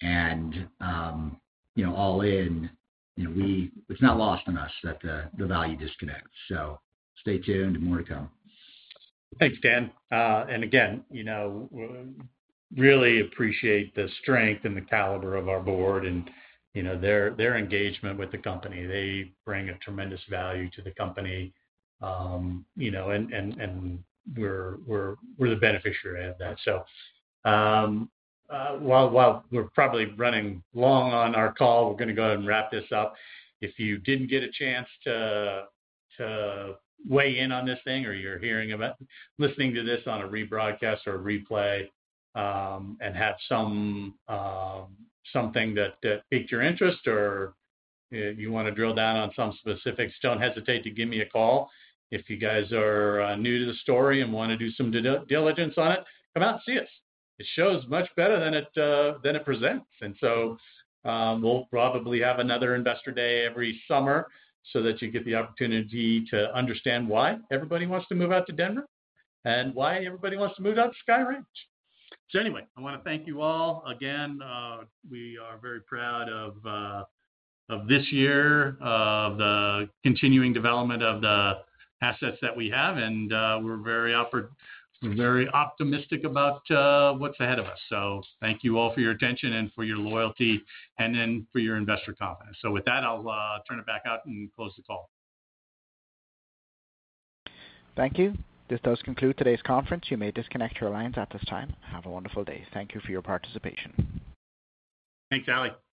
And all in, it's not lost on us that the value disconnects. So stay tuned. More to come. Thanks, Dan. And again, really appreciate the strength and the caliber of our board and their engagement with the company. They bring a tremendous value to the company. And we're the beneficiary of that. So while we're probably running long on our call, we're going to go ahead and wrap this up. If you didn't get a chance to weigh in on this thing or you're listening to this on a rebroadcast or replay and have something that piqued your interest or you want to drill down on some specifics, don't hesitate to give me a call. If you guys are new to the story and want to do some diligence on it, come out and see us. It shows much better than it presents. We'll probably have another investor day every summer so that you get the opportunity to understand why everybody wants to move out to Denver and why everybody wants to move out to Sky Ranch. So anyway, I want to thank you all. Again, we are very proud of this year, of the continuing development of the assets that we have. And we're very optimistic about what's ahead of us. So thank you all for your attention and for your loyalty and then for your investor confidence. So with that, I'll turn it back out and close the call. Thank you. This does conclude today's conference. You may disconnect your lines at this time. Have a wonderful day. Thank you for your participation. Thanks, Ali.